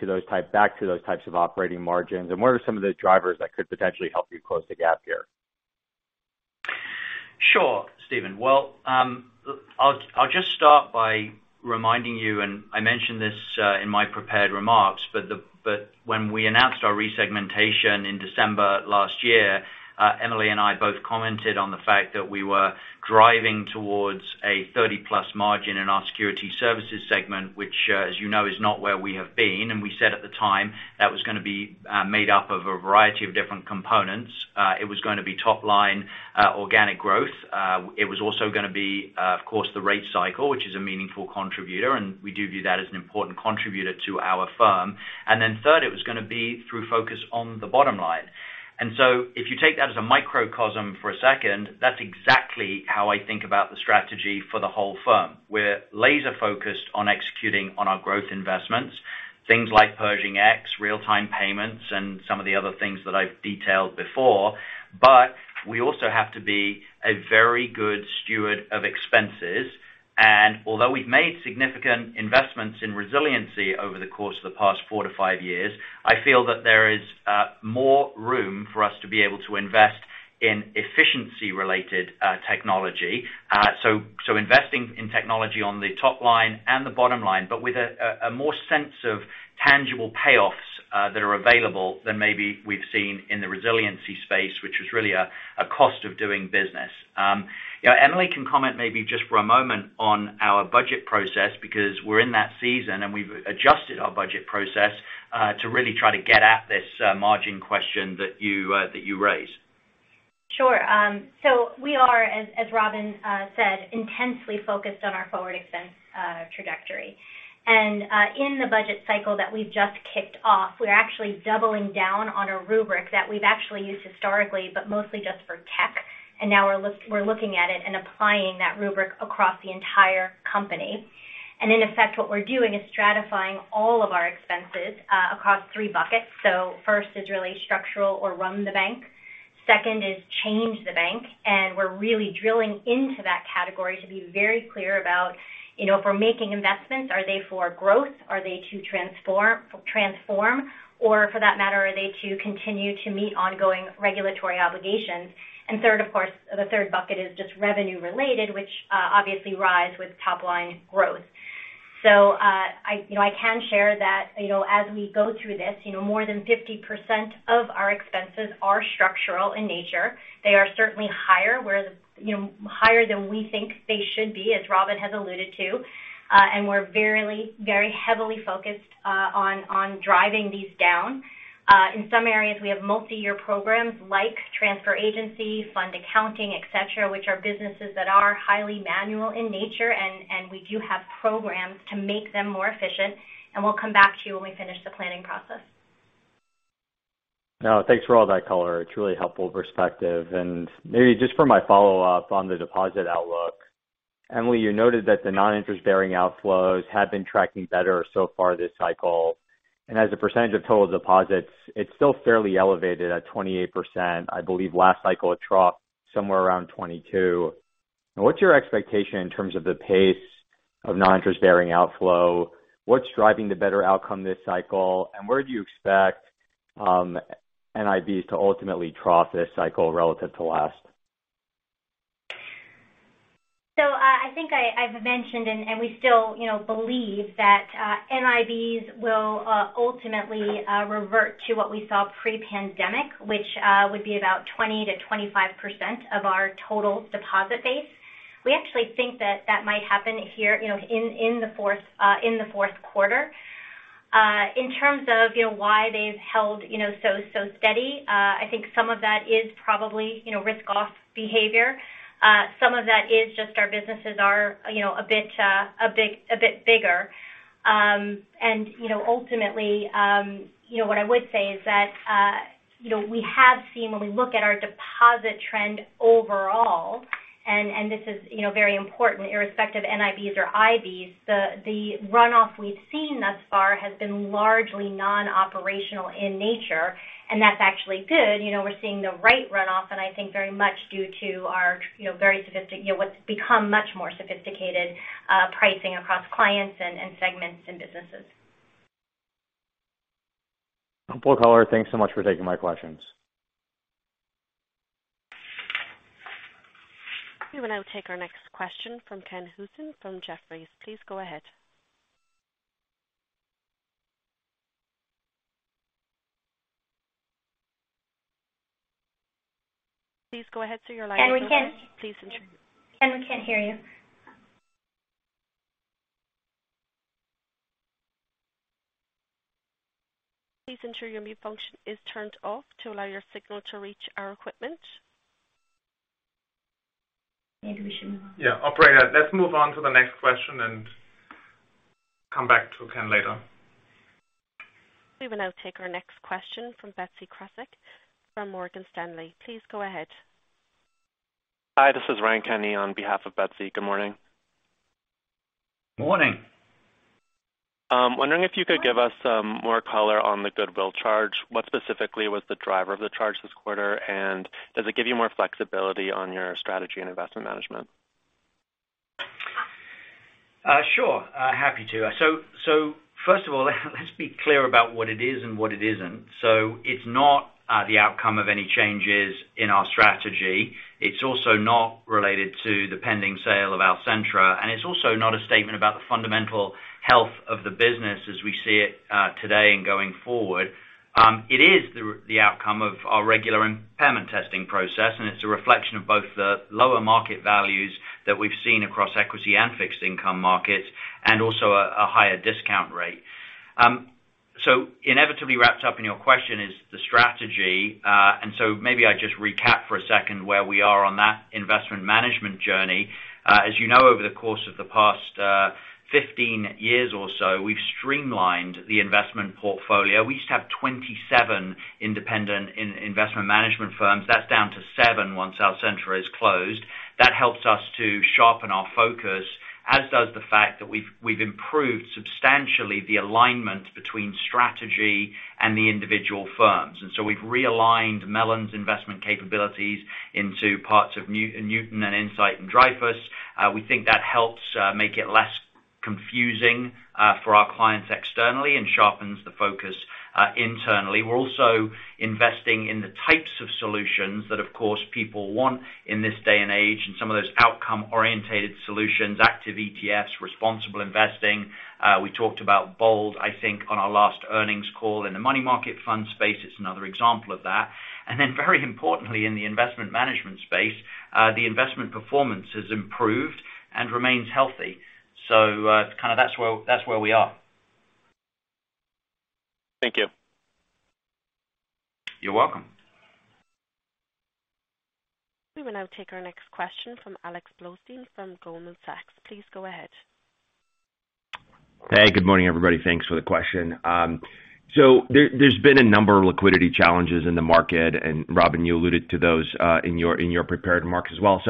back to those types of operating margins, and what are some of the drivers that could potentially help you close the gap here? Sure, Steven Chubak. Well, I'll just start by reminding you, and I mentioned this in my prepared remarks, but when we announced our resegmentation in December last year, Emily and I both commented on the fact that we were driving towards a 30%+ margin in our Security Services segment, which, as you know, is not where we have been. We said at the time that was gonna be made up of a variety of different components. It was gonna be top line organic growth. It was also gonna be, of course, the rate cycle, which is a meaningful contributor, and we do view that as an important contributor to our firm. Then third, it was gonna be through focus on the bottom line. If you take that as a microcosm for a second, that's exactly how I think about the strategy for the whole firm. We're laser-focused on executing on our growth investments, things like Pershing X, real-time payments, and some of the other things that I've detailed before. We also have to be a very good steward of expenses. Although we've made significant investments in resiliency over the course of the past four to five years, I feel that there is more room for us to be able to invest in efficiency-related technology. So investing in technology on the top line and the bottom line, but with a more sense of tangible payoffs that are available than maybe we've seen in the resiliency space, which was really a cost of doing business. You know, Emily can comment maybe just for a moment on our budget process because we're in that season, and we've adjusted our budget process to really try to get at this margin question that you raised. Sure. We are, as Robin said, intensely focused on our forward expense trajectory. In the budget cycle that we've just kicked off, we're actually doubling down on a rubric that we've actually used historically but mostly just for tech. Now we're looking at it and applying that rubric across the entire company. In effect, what we're doing is stratifying all of our expenses across three buckets. First is really structural or run the bank. Second is change the bank, and we're really drilling into that category to be very clear about, you know, if we're making investments, are they for growth, are they to transform, or for that matter, are they to continue to meet ongoing regulatory obligations. Third, of course, the third bucket is just revenue related, which obviously rise with top line growth. I, you know, I can share that, you know, as we go through this, you know, more than 50% of our expenses are structural in nature. They are certainly higher, you know, higher than we think they should be, as Robin has alluded to. We're very heavily focused on driving these down. In some areas, we have multi-year programs like transfer agency, fund accounting, et cetera, which are businesses that are highly manual in nature, and we do have programs to make them more efficient. We'll come back to you when we finish the planning process. No, thanks for all that color. It's really helpful perspective. Maybe just for my follow-up on the deposit outlook. Emily, you noted that the non-interest-bearing outflows have been tracking better so far this cycle. As a percentage of total deposits, it's still fairly elevated at 28%. I believe last cycle it dropped somewhere around 22%. What's your expectation in terms of the pace of non-interest-bearing outflow? What's driving the better outcome this cycle? Where do you expect NIBs to ultimately trough this cycle relative to last? I think I've mentioned and we still, you know, believe that NIBs will ultimately revert to what we saw pre-pandemic, which would be about 20%-25% of our total deposit base. We actually think that that might happen here, you know, in the fourth quarter. In terms of, you know, why they've held, you know, so steady, I think some of that is probably, you know, risk off behavior. Some of that is just our businesses are, you know, a bit bigger. You know, ultimately, you know, what I would say is that, you know, we have seen when we look at our deposit trend overall, and this is, you know, very important, irrespective NIBs or IBs, the runoff we've seen thus far has been largely non-operational in nature, and that's actually good. You know, we're seeing the right runoff, and I think very much due to our, you know, what's become much more sophisticated pricing across clients and segments and businesses. Full color. Thanks so much for taking my questions. We will now take our next question from Ken Usdin from Jefferies. Please go ahead. Please go ahead, sir. Your line is open. Ken, we can't. Please ensure- Ken, we can't hear you. Please ensure your mute function is turned off to allow your signal to reach our equipment. Maybe we should move on. Yeah. Operator, let's move on to the next question and come back to Ken later. We will now take our next question from Betsy Graseck from Morgan Stanley. Please go ahead. Hi, this is Ryan Kenny on behalf of Betsy. Good morning. Morning. Wondering if you could give us some more color on the goodwill charge? What specifically was the driver of the charge this quarter, and does it give you more flexibility on your strategy and investment management? Sure. Happy to. First of all, let's be clear about what it is and what it isn't. It's not the outcome of any changes in our strategy. It's also not related to the pending sale of Alcentra, and it's also not a statement about the fundamental health of the business as we see it, today and going forward. It is the outcome of our regular impairment testing process, and it's a reflection of both the lower market values that we've seen across equity and fixed income markets, and also a higher discount rate. Inevitably wrapped up in your question is the strategy. Maybe I just recap for a second where we are on that investment management journey. As you know, over the course of the past 15 years or so, we've streamlined the investment portfolio. We used to have 27 independent investment management firms. That's down to seven, once Alcentra is closed. That helps us to sharpen our focus, as does the fact that we've improved substantially the alignment between strategy and the individual firms. We've realigned Mellon's investment capabilities into parts of Newton and Insight and Dreyfus. We think that helps make it less confusing for our clients externally and sharpens the focus internally. We're also investing in the types of solutions that, of course, people want in this day and age, and some of those outcome-oriented solutions, active ETFs, responsible investing. We talked about BOLD, I think, on our last earnings call. In the money market fund space, it's another example of that. Very importantly, in the investment management space, the investment performance has improved and remains healthy. Kinda that's where we are. Thank you. You're welcome. We will now take our next question from Alex Blostein from Goldman Sachs. Please go ahead. Hey, good morning, everybody. Thanks for the question. There's been a number of liquidity challenges in the market, and Robin, you alluded to those in your prepared remarks as well.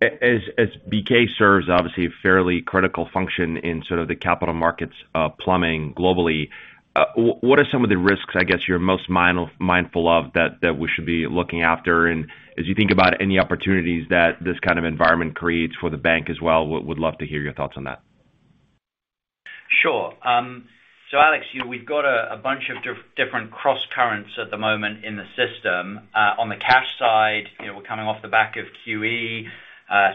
As BNY serves obviously a fairly critical function in sort of the capital markets plumbing globally, what are some of the risks, I guess, you're most mindful of that we should be looking after? As you think about any opportunities that this kind of environment creates for the bank as well, we'd love to hear your thoughts on that. Sure. Alex, you know, we've got a bunch of different crosscurrents at the moment in the system. On the cash side, you know, we're coming off the back of QE.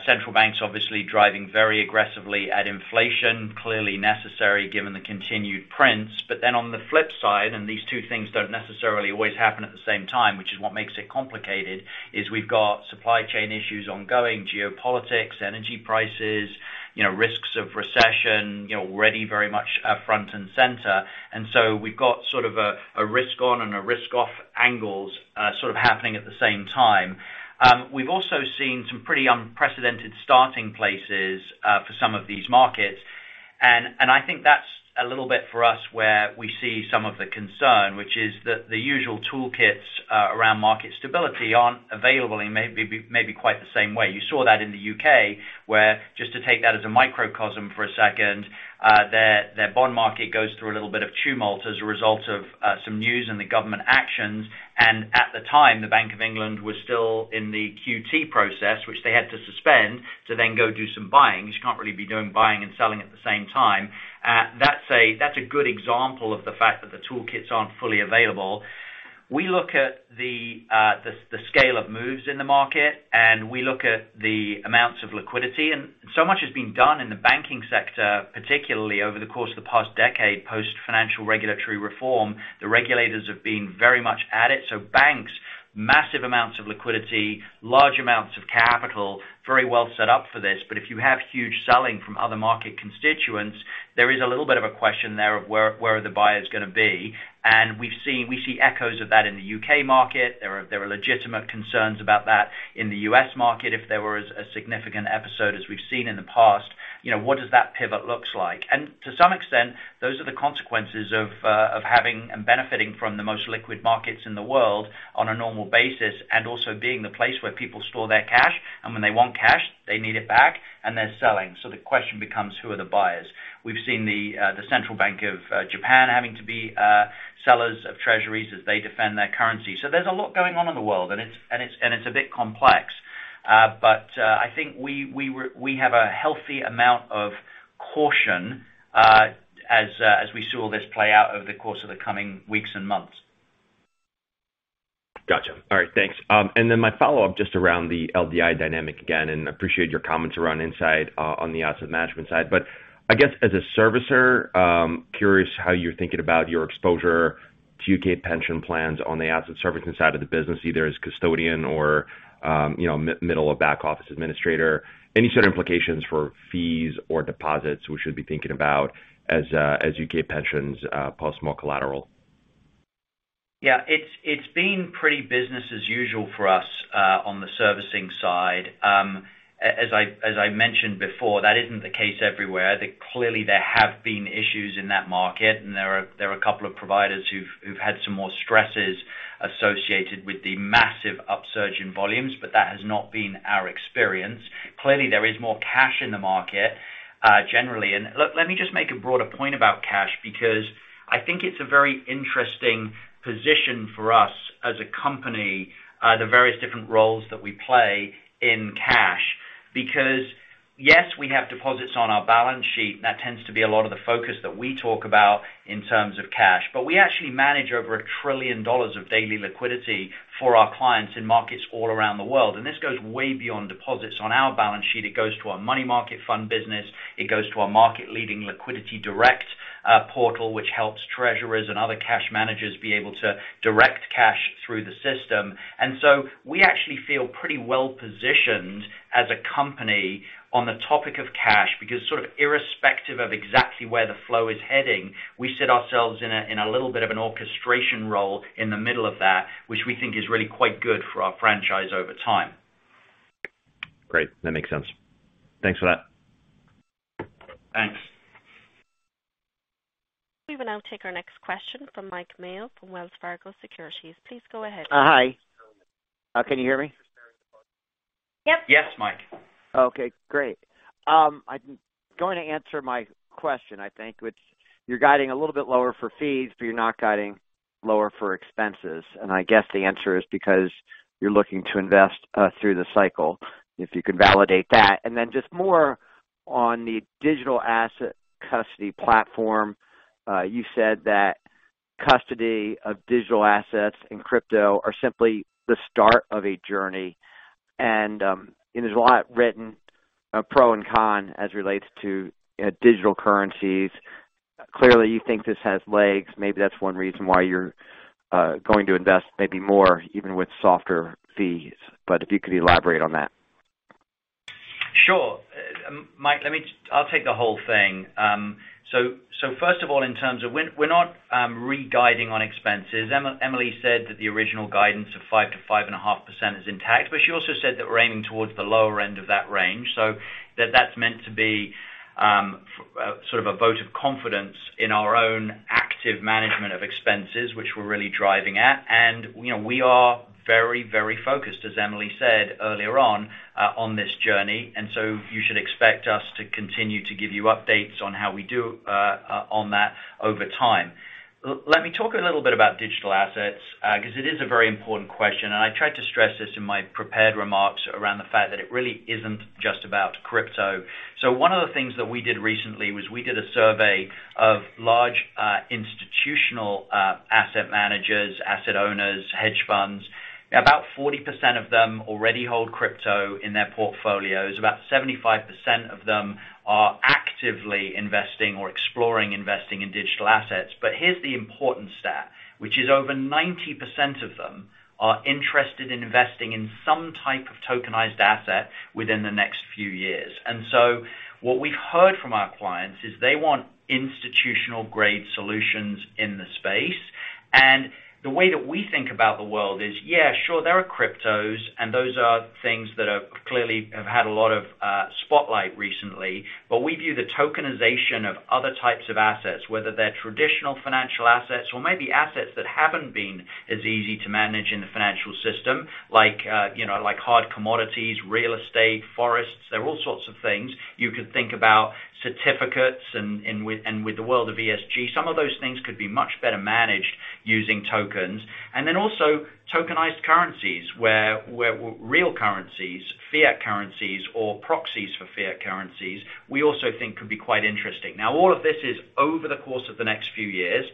Central banks obviously driving very aggressively at inflation, clearly necessary given the continued prints. On the flip side, these two things don't necessarily always happen at the same time, which is what makes it complicated, we've got supply chain issues ongoing, geopolitics, energy prices, you know, risks of recession, you know, already very much front and center. We've got sort of a risk on and a risk off angles sort of happening at the same time. We've also seen some pretty unprecedented starting places for some of these markets. I think that's a little bit for us where we see some of the concern, which is that the usual toolkits around market stability aren't available in maybe quite the same way. You saw that in the U.K., where, just to take that as a microcosm for a second, their bond market goes through a little bit of tumult as a result of some news and the government actions. At the time, the Bank of England was still in the QT process, which they had to suspend to then go do some buying. You can't really be doing buying and selling at the same time. That's a good example of the fact that the toolkits aren't fully available. We look at the scale of moves in the market, and we look at the amounts of liquidity. Much has been done in the banking sector, particularly over the course of the past decade, post-financial regulatory reform. The regulators have been very much at it. Banks, massive amounts of liquidity, large amounts of capital, very well set up for this. If you have huge selling from other market constituents, there is a little bit of a question there of where are the buyers gonna be. We've seen, we see echoes of that in the UK market. There are legitimate concerns about that in the US market. If there was a significant episode as we've seen in the past, you know, what does that pivot looks like? To some extent, those are the consequences of having and benefiting from the most liquid markets in the world on a normal basis, and also being the place where people store their cash. When they want cash, they need it back and they're selling. The question becomes, who are the buyers? We've seen the Bank of Japan having to be sellers of treasuries as they defend their currency. There's a lot going on in the world, and it's a bit complex. I think we have a healthy amount of caution as we see all this play out over the course of the coming weeks and months. Gotcha. All right. Thanks. My follow-up just around the LDI dynamic again. Appreciate your comments around Insight on the asset management side. I guess as a servicer, curious how you're thinking about your exposure to U.K. pension plans on the asset servicing side of the business, either as custodian or, you know, middle or back office administrator. Any sort of implications for fees or deposits we should be thinking about as U.K. pensions post more collateral? Yeah, it's been pretty business as usual for us on the servicing side. As I mentioned before, that isn't the case everywhere. I think clearly there have been issues in that market, and there are a couple of providers who've had some more stresses associated with the massive upsurge in volumes, but that has not been our experience. Clearly, there is more cash in the market, generally. Look, let me just make a broader point about cash because I think it's a very interesting position for us as a company, the various different roles that we play in cash. Because, yes, we have deposits on our balance sheet, and that tends to be a lot of the focus that we talk about in terms of cash. We actually manage over $1 trillion of daily liquidity for our clients in markets all around the world. This goes way beyond deposits on our balance sheet. It goes to our money market fund business. It goes to our market-leading LiquidityDirect portal, which helps treasurers and other cash managers be able to direct cash through the system. We actually feel pretty well-positioned as a company on the topic of cash because sort of irrespective of exactly where the flow is heading, we sit ourselves in a little bit of an orchestration role in the middle of that, which we think is really quite good for our franchise over time. Great. That makes sense. Thanks for that. Thanks. We will now take our next question from Mike Mayo from Wells Fargo Securities. Please go ahead. Hi. Can you hear me? Yep. Yes, Mike. Okay, great. I'm going to ask my question, I think, which you're guiding a little bit lower for fees, but you're not guiding lower for expenses. I guess the answer is because you're looking to invest through the cycle, if you could validate that. Then just more on the digital asset custody platform. You said that custody of digital assets and crypto are simply the start of a journey. And there's a lot written pro and con as it relates to digital currencies. Clearly, you think this has legs. Maybe that's one reason why you're going to invest maybe more even with softer fees. But if you could elaborate on that. Sure. Mike, I'll take the whole thing. First of all, in terms of NIM, we're not re-guiding on expenses. Emily said that the original guidance of 5%-5.5% is intact, but she also said that we're aiming towards the lower end of that range. That's meant to be sort of a vote of confidence in our own active management of expenses, which we're really driving at. You know, we are very, very focused, as Emily said earlier on this journey. You should expect us to continue to give you updates on how we do on that over time. Let me talk a little bit about digital assets, because it is a very important question, and I tried to stress this in my prepared remarks around the fact that it really isn't just about crypto. One of the things that we did recently was we did a survey of large, institutional, asset managers, asset owners, hedge funds. About 40% of them already hold crypto in their portfolios. About 75% of them are actively investing or exploring investing in digital assets. Here's the important stat, which is over 90% of them are interested in investing in some type of tokenized asset within the next few years. What we've heard from our clients is they want institutional-grade solutions in the space. The way that we think about the world is, yeah, sure, there are cryptos, and those are things that are clearly have had a lot of spotlight recently. We view the tokenization of other types of assets, whether they're traditional financial assets or maybe assets that haven't been as easy to manage in the financial system, like, you know, like hard commodities, real estate, forests. There are all sorts of things. You could think about certificates and with the world of ESG, some of those things could be much better managed using tokens. Then also tokenized currencies, where real currencies, fiat currencies, or proxies for fiat currencies, we also think could be quite interesting. Now, all of this is over the course of the next few years.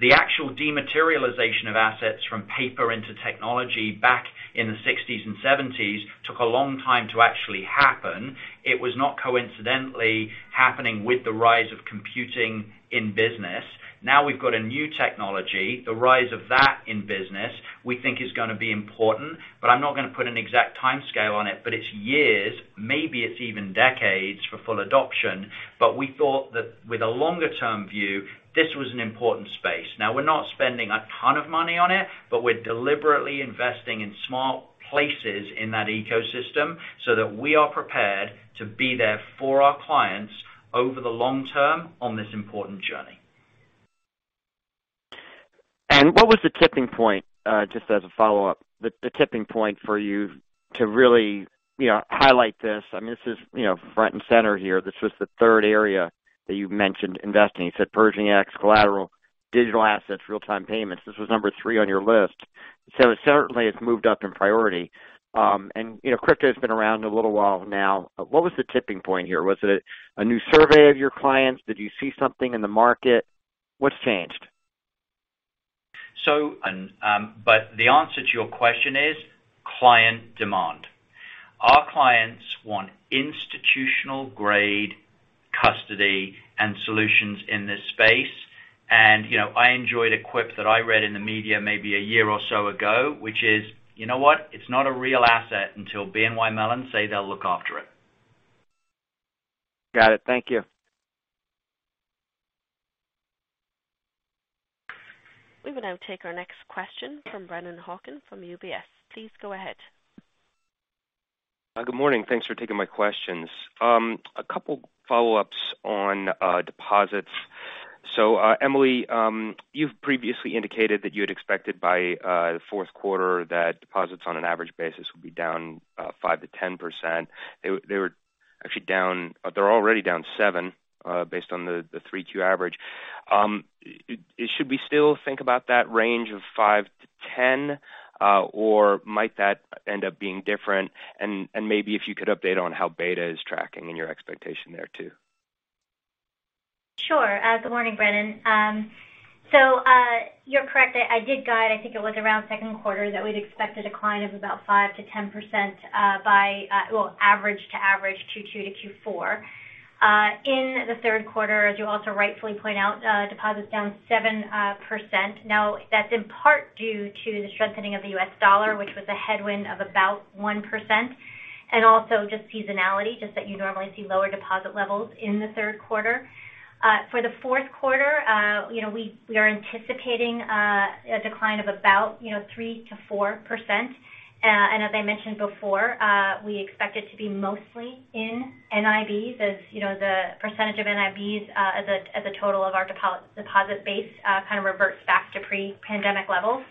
The actual dematerialization of assets from paper into technology back in the sixties and seventies took a long time to actually happen. It was not coincidentally happening with the rise of computing in business. Now we've got a new technology. The rise of that in business, we think is gonna be important, but I'm not gonna put an exact timescale on it, but it's years, maybe it's even decades for full adoption. We thought that with a longer-term view, this was an important space. Now, we're not spending a ton of money on it, but we're deliberately investing in small places in that ecosystem so that we are prepared to be there for our clients over the long term on this important journey. What was the tipping point, just as a follow-up, the tipping point for you to really, you know, highlight this? I mean, this is, you know, front and center here. This was the third area that you mentioned investing. You said Pershing X collateral, digital assets, real-time payments. This was number three on your list. Certainly it's moved up in priority. You know, crypto has been around a little while now. What was the tipping point here? Was it a new survey of your clients? Did you see something in the market? What's changed? The answer to your question is client demand. Our clients want institutional-grade custody and solutions in this space. You know, I enjoyed a quip that I read in the media maybe a year or so ago, which is, you know what? It's not a real asset until BNY Mellon say they'll look after it. Got it. Thank you. We will now take our next question from Brennan Hawken from UBS. Please go ahead. Good morning. Thanks for taking my questions. A couple follow-ups on deposits. Emily, you've previously indicated that you had expected by the fourth quarter that deposits on an average basis would be down 5%-10%. They were actually down. They're already down 7% based on the 3Q average. Should we still think about that range of 5%-10%, or might that end up being different? Maybe if you could update on how beta is tracking and your expectation there too. Sure. Good morning, Brennan. You're correct. I did guide, I think it was around second quarter, that we'd expect a decline of about 5%-10% by, well, average to average Q2 to Q4. In the third quarter, as you also rightfully point out, deposits down 7%. Now, that's in part due to the strengthening of the U.S. dollar, which was a headwind of about 1%, and also just seasonality, just that you normally see lower deposit levels in the third quarter. For the fourth quarter, you know, we are anticipating a decline of about, you know, 3%-4%. As I mentioned before, we expect it to be mostly in NIBs as, you know, the percentage of NIBs as a total of our deposit base kind of reverts back to pre-pandemic levels.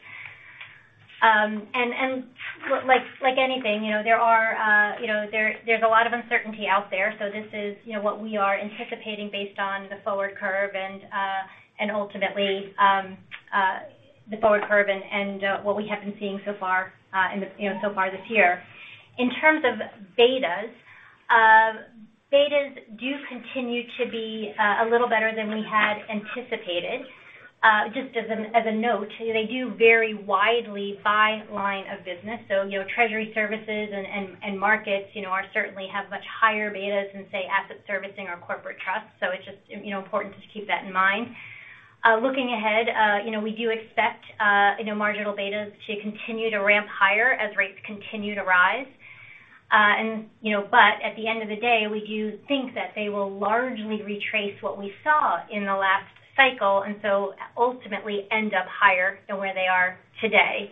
Like anything, you know, there are, you know, there's a lot of uncertainty out there, so this is, you know, what we are anticipating based on the forward curve and ultimately what we have been seeing so far in the, you know, so far this year. In terms of betas do continue to be a little better than we had anticipated. Just as a note, they do vary widely by line of business. You know, treasury services and markets, you know, are certainly have much higher betas than, say, asset servicing or corporate trust. It's just, you know, important to keep that in mind. Looking ahead, you know, we do expect, you know, marginal betas to continue to ramp higher as rates continue to rise. You know, but at the end of the day, we do think that they will largely retrace what we saw in the last cycle, and so ultimately end up higher than where they are today.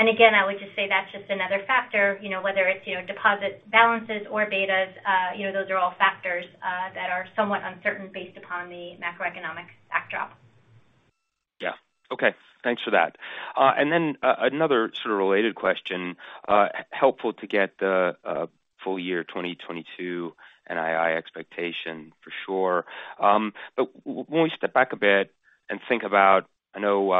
Again, I would just say that's just another factor, you know, whether it's, you know, deposit balances or betas, you know, those are all factors that are somewhat uncertain based upon the macroeconomic backdrop. Yeah. Okay. Thanks for that. Another sort of related question, helpful to get the full year 2022 NII expectation for sure. When we step back a bit and think about, I know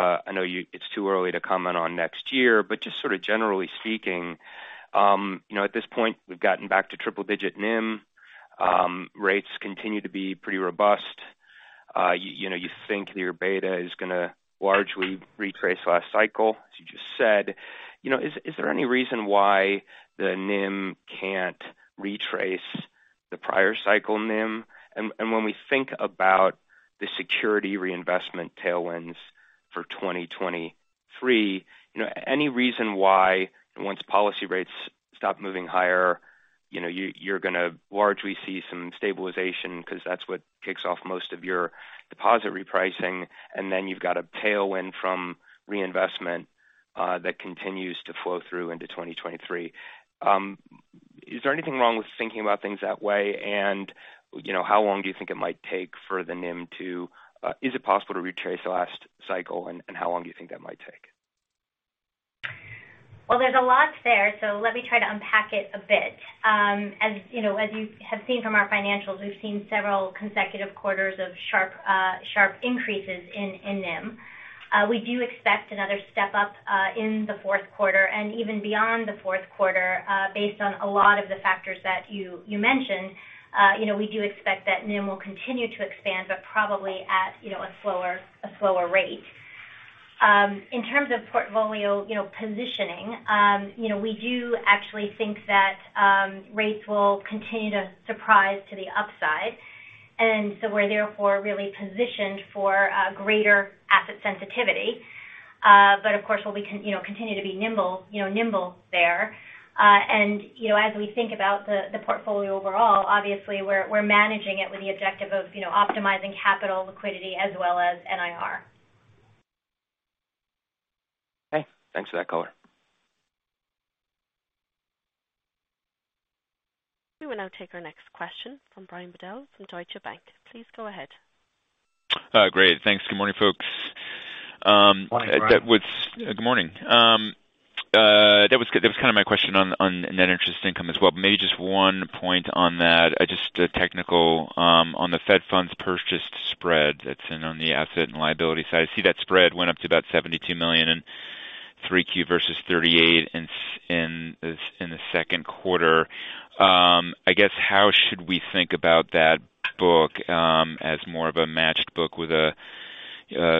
it's too early to comment on next year, but just sorta generally speaking, you know, at this point, we've gotten back to triple digit NIM. Rates continue to be pretty robust. You know, you think your beta is gonna largely retrace last cycle, as you just said. You know, is there any reason why the NIM can't retrace the prior cycle NIM? When we think about the securities reinvestment tailwinds for 2023, you know, any reason why once policy rates stop moving higher, you know, you're gonna largely see some stabilization because that's what kicks off most of your deposit repricing, and then you've got a tailwind from reinvestment that continues to flow through into 2023. Is there anything wrong with thinking about things that way? You know, how long do you think it might take for the NIM to, is it possible to retrace the last cycle and how long do you think that might take? Well, there's a lot there, so let me try to unpack it a bit. As you know, as you have seen from our financials, we've seen several consecutive quarters of sharp increases in NIM. We do expect another step up in the fourth quarter and even beyond the fourth quarter, based on a lot of the factors that you mentioned. You know, we do expect that NIM will continue to expand, but probably at a slower rate. In terms of portfolio positioning, you know, we do actually think that rates will continue to surprise to the upside. We're therefore really positioned for greater asset sensitivity. But of course, we'll continue to be nimble there. you know, as we think about the portfolio overall, obviously we're managing it with the objective of, you know, optimizing capital liquidity as well as NIR. Okay. Thanks for that color. We will now take our next question from Brian Bedell from Deutsche Bank. Please go ahead. Great. Thanks. Good morning, folks. Morning, Brian. Good morning. That was kinda my question on net interest income as well. Maybe just one point on that, just a technical on the Fed funds purchased spread that's on the asset and liability side. I see that spread went up to about $72 million in 3Q versus $38 million in the second quarter. I guess, how should we think about that book as more of a matched book with a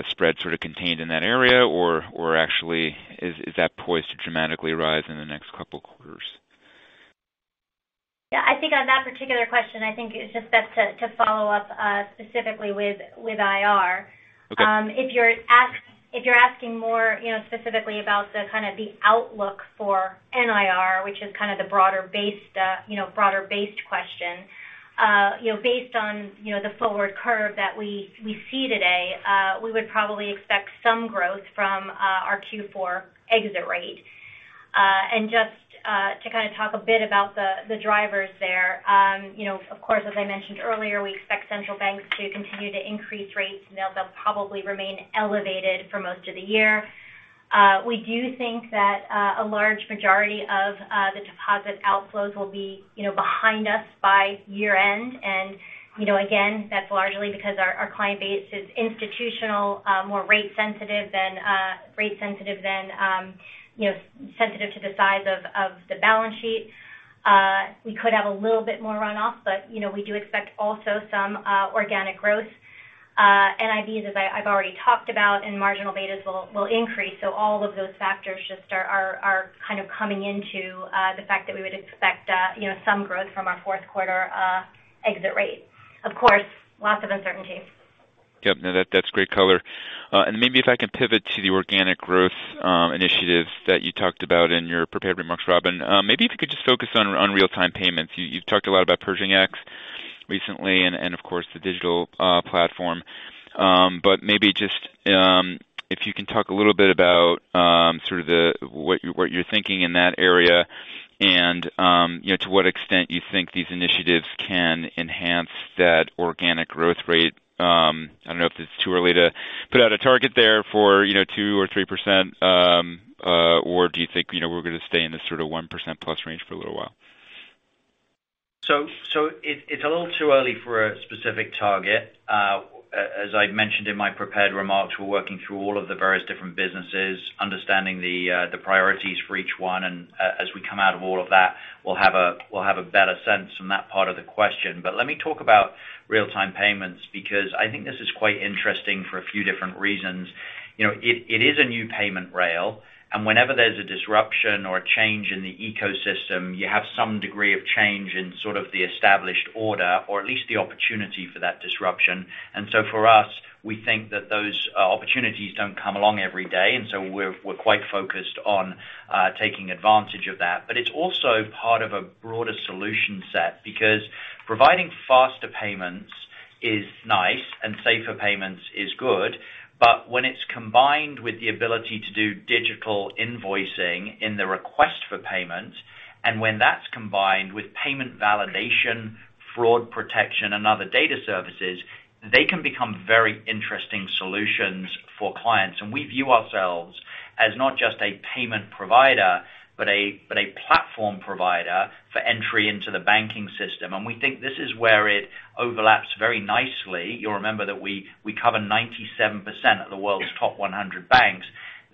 spread sorta contained in that area or actually is that poised to dramatically rise in the next couple quarters? Yeah. I think on that particular question, I think it's just best to follow up specifically with IR. Okay. If you're asking more, you know, specifically about the kind of the outlook for NIR, which is kind of the broader-based question, you know, based on, you know, the forward curve that we see today, we would probably expect some growth from our Q4 exit rate. Just to kind of talk a bit about the drivers there, you know, of course, as I mentioned earlier, we expect central banks to continue to increase rates, and they'll probably remain elevated for most of the year. We do think that a large majority of the deposit outflows will be, you know, behind us by year-end. You know, again, that's largely because our client base is institutional, more rate sensitive than sensitive to the size of the balance sheet. We could have a little bit more runoff, but you know, we do expect also some organic growth, NIBs, as I've already talked about, and marginal betas will increase. All of those factors just are kind of coming into the fact that we would expect you know, some growth from our fourth quarter exit rate. Of course, lots of uncertainties. Yep. No, that's great color. Maybe if I can pivot to the organic growth initiatives that you talked about in your prepared remarks, Robin. Maybe if you could just focus on real-time payments. You've talked a lot about Pershing X recently and of course, the digital platform. But maybe just if you can talk a little bit about sort of what you're thinking in that area and you know, to what extent you think these initiatives can enhance that organic growth rate. I don't know if it's too early to put out a target there for you know, 2% or 3%, or do you think you know, we're gonna stay in this sort of 1% plus range for a little while? It's a little too early for a specific target. As I mentioned in my prepared remarks, we're working through all of the various different businesses, understanding the priorities for each one. As we come out of all of that, we'll have a better sense on that part of the question. Let me talk about real-time payments because I think this is quite interesting for a few different reasons. You know, it is a new payment rail, and whenever there's a disruption or a change in the ecosystem, you have some degree of change in sort of the established order or at least the opportunity for that disruption. For us, we think that those opportunities don't come along every day. We're quite focused on taking advantage of that. It's also part of a broader solution set because providing faster payments is nice and safer payments is good, but when it's combined with the ability to do digital invoicing in the request for payments, and when that's combined with payment validation, fraud protection, and other data services, they can become very interesting solutions for clients. We view ourselves as not just a payment provider, but a platform provider for entry into the banking system. We think this is where it overlaps very nicely. You'll remember that we cover 97% of the world's top 100 banks.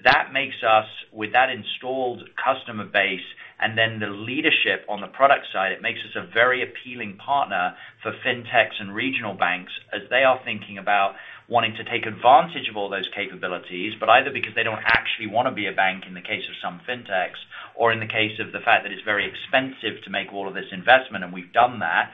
That makes us, with that installed customer base and then the leadership on the product side, it makes us a very appealing partner for fintechs and regional banks as they are thinking about wanting to take advantage of all those capabilities, but either because they don't actually wanna be a bank in the case of some fintechs or in the case of the fact that it's very expensive to make all of this investment, and we've done that.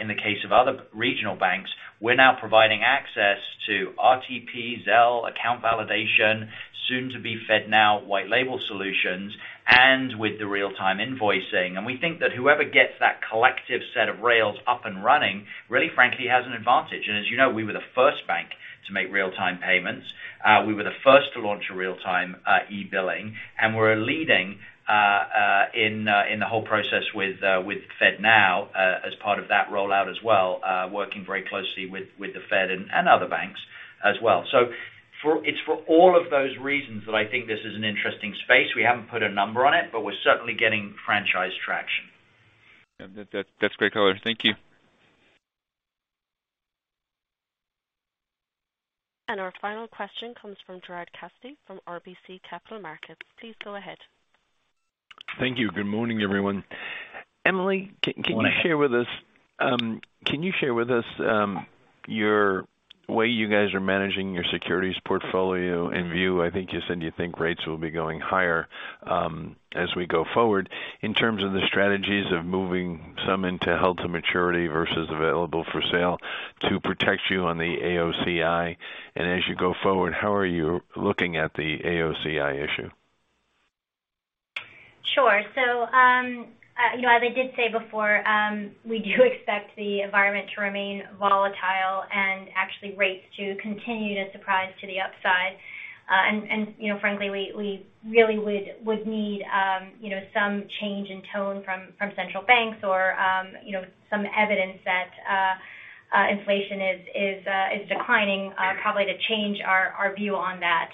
In the case of other regional banks, we're now providing access to RTP, Zelle, account validation, soon to be FedNow white label solutions, and with the real-time invoicing. We think that whoever gets that collective set of rails up and running really frankly has an advantage. As you know, we were the first bank to make real-time payments. We were the first to launch a real-time e-billing, and we're leading in the whole process with FedNow as part of that rollout as well, working very closely with the Fed and other banks as well. It's for all of those reasons that I think this is an interesting space. We haven't put a number on it, but we're certainly getting franchise traction. That's great color. Thank you. Our final question comes from Gerard Cassidy from RBC Capital Markets. Please go ahead. Thank you. Good morning, everyone. Emily Good morning. Can you share with us your way you guys are managing your securities portfolio and view? I think you said you think rates will be going higher, as we go forward. In terms of the strategies of moving some into held to maturity versus available for sale to protect you on the AOCI. As you go forward, how are you looking at the AOCI issue? Sure. You know, as I did say before, we do expect the environment to remain volatile and actually rates to continue to surprise to the upside. You know, frankly, we really would need you know, some change in tone from central banks or, you know, some evidence that inflation is declining, probably to change our view on that.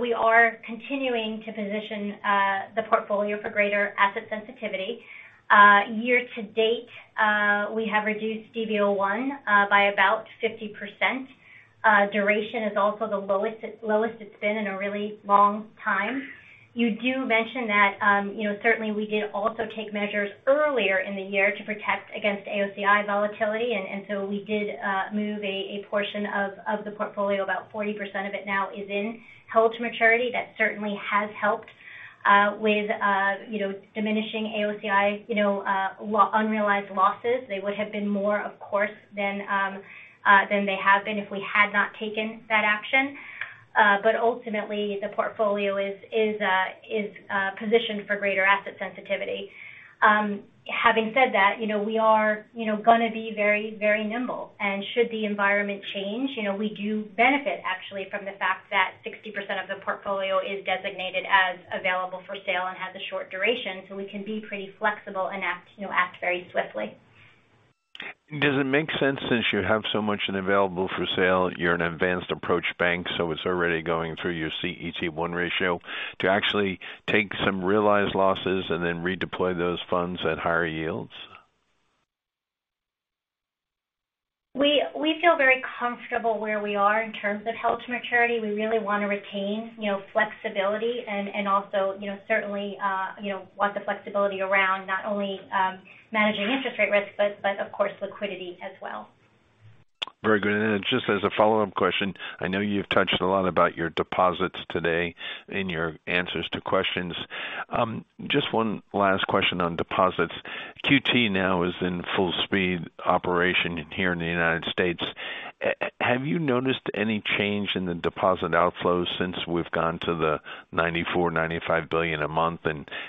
We are continuing to position the portfolio for greater asset sensitivity. Year to date, we have reduced DV01 by about 50%. Duration is also the lowest it's been in a really long time. You do mention that, you know, certainly we did also take measures earlier in the year to protect against AOCI volatility. We did move a portion of the portfolio. About 40% of it now is in held to maturity. That certainly has helped with diminishing AOCI, you know, unrealized losses. They would have been more, of course, than they have been if we had not taken that action. But ultimately, the portfolio is positioned for greater asset sensitivity. Having said that, you know, we are gonna be very, very nimble. Should the environment change, you know, we do benefit actually from the fact that 60% of the portfolio is designated as available for sale and has a short duration, so we can be pretty flexible and act very swiftly. Does it make sense since you have so much in available for sale, you're an advanced approach bank, so it's already going through your CET1 ratio to actually take some realized losses and then redeploy those funds at higher yields? We feel very comfortable where we are in terms of held to maturity. We really wanna retain, you know, flexibility and also, you know, certainly, you know, want the flexibility around not only managing interest rate risk, but of course, liquidity as well. Very good. Just as a follow-up question, I know you've touched a lot about your deposits today in your answers to questions. Just one last question on deposits. QT now is in full speed operation here in the United States. Have you noticed any change in the deposit outflows since we've gone to the $94 billion-$95 billion a month?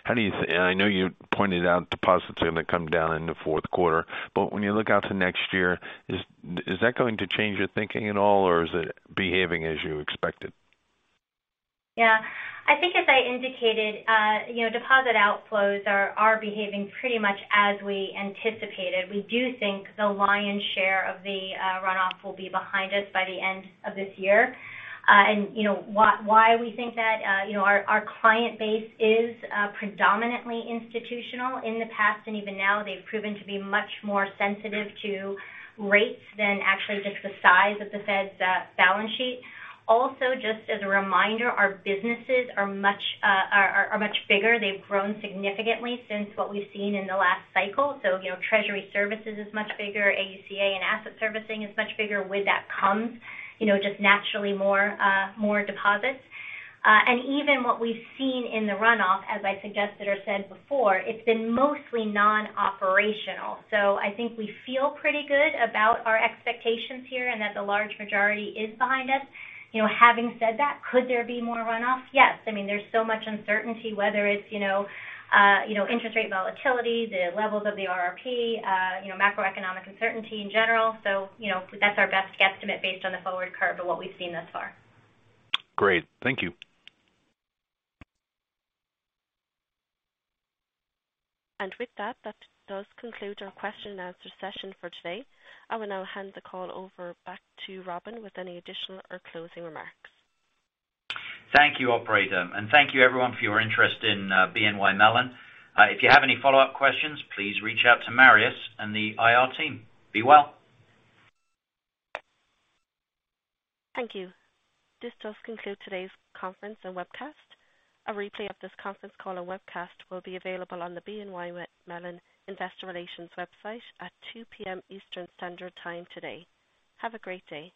How do you think, and I know you pointed out deposits are gonna come down in the fourth quarter, but when you look out to next year, is that going to change your thinking at all, or is it behaving as you expected? Yeah. I think as I indicated, you know, deposit outflows are behaving pretty much as we anticipated. We do think the lion's share of the runoff will be behind us by the end of this year. You know, why we think that, you know, our client base is predominantly institutional in the past, and even now they've proven to be much more sensitive to rates than actually just the size of the Fed's balance sheet. Also, just as a reminder, our businesses are much bigger. They've grown significantly since what we've seen in the last cycle. You know, treasury services is much bigger. AUCA and asset servicing is much bigger. With that comes, you know, just naturally more deposits. Even what we've seen in the runoff, as I suggested or said before, it's been mostly non-operational. I think we feel pretty good about our expectations here and that the large majority is behind us. You know, having said that, could there be more runoff? Yes. I mean, there's so much uncertainty, whether it's, you know, you know, interest rate volatility, the levels of the RRP, you know, macroeconomic uncertainty in general. You know, that's our best guesstimate based on the forward curve of what we've seen thus far. Great. Thank you. With that does conclude our question and answer session for today. I will now hand the call over back to Robin with any additional or closing remarks. Thank you, operator, and thank you everyone for your interest in BNY Mellon. If you have any follow-up questions, please reach out to Marius and the IR team. Be well. Thank you. This does conclude today's conference and webcast. A replay of this conference call and webcast will be available on the BNY Mellon Investor Relations website at 2:00 P.M. Eastern Standard Time today. Have a great day.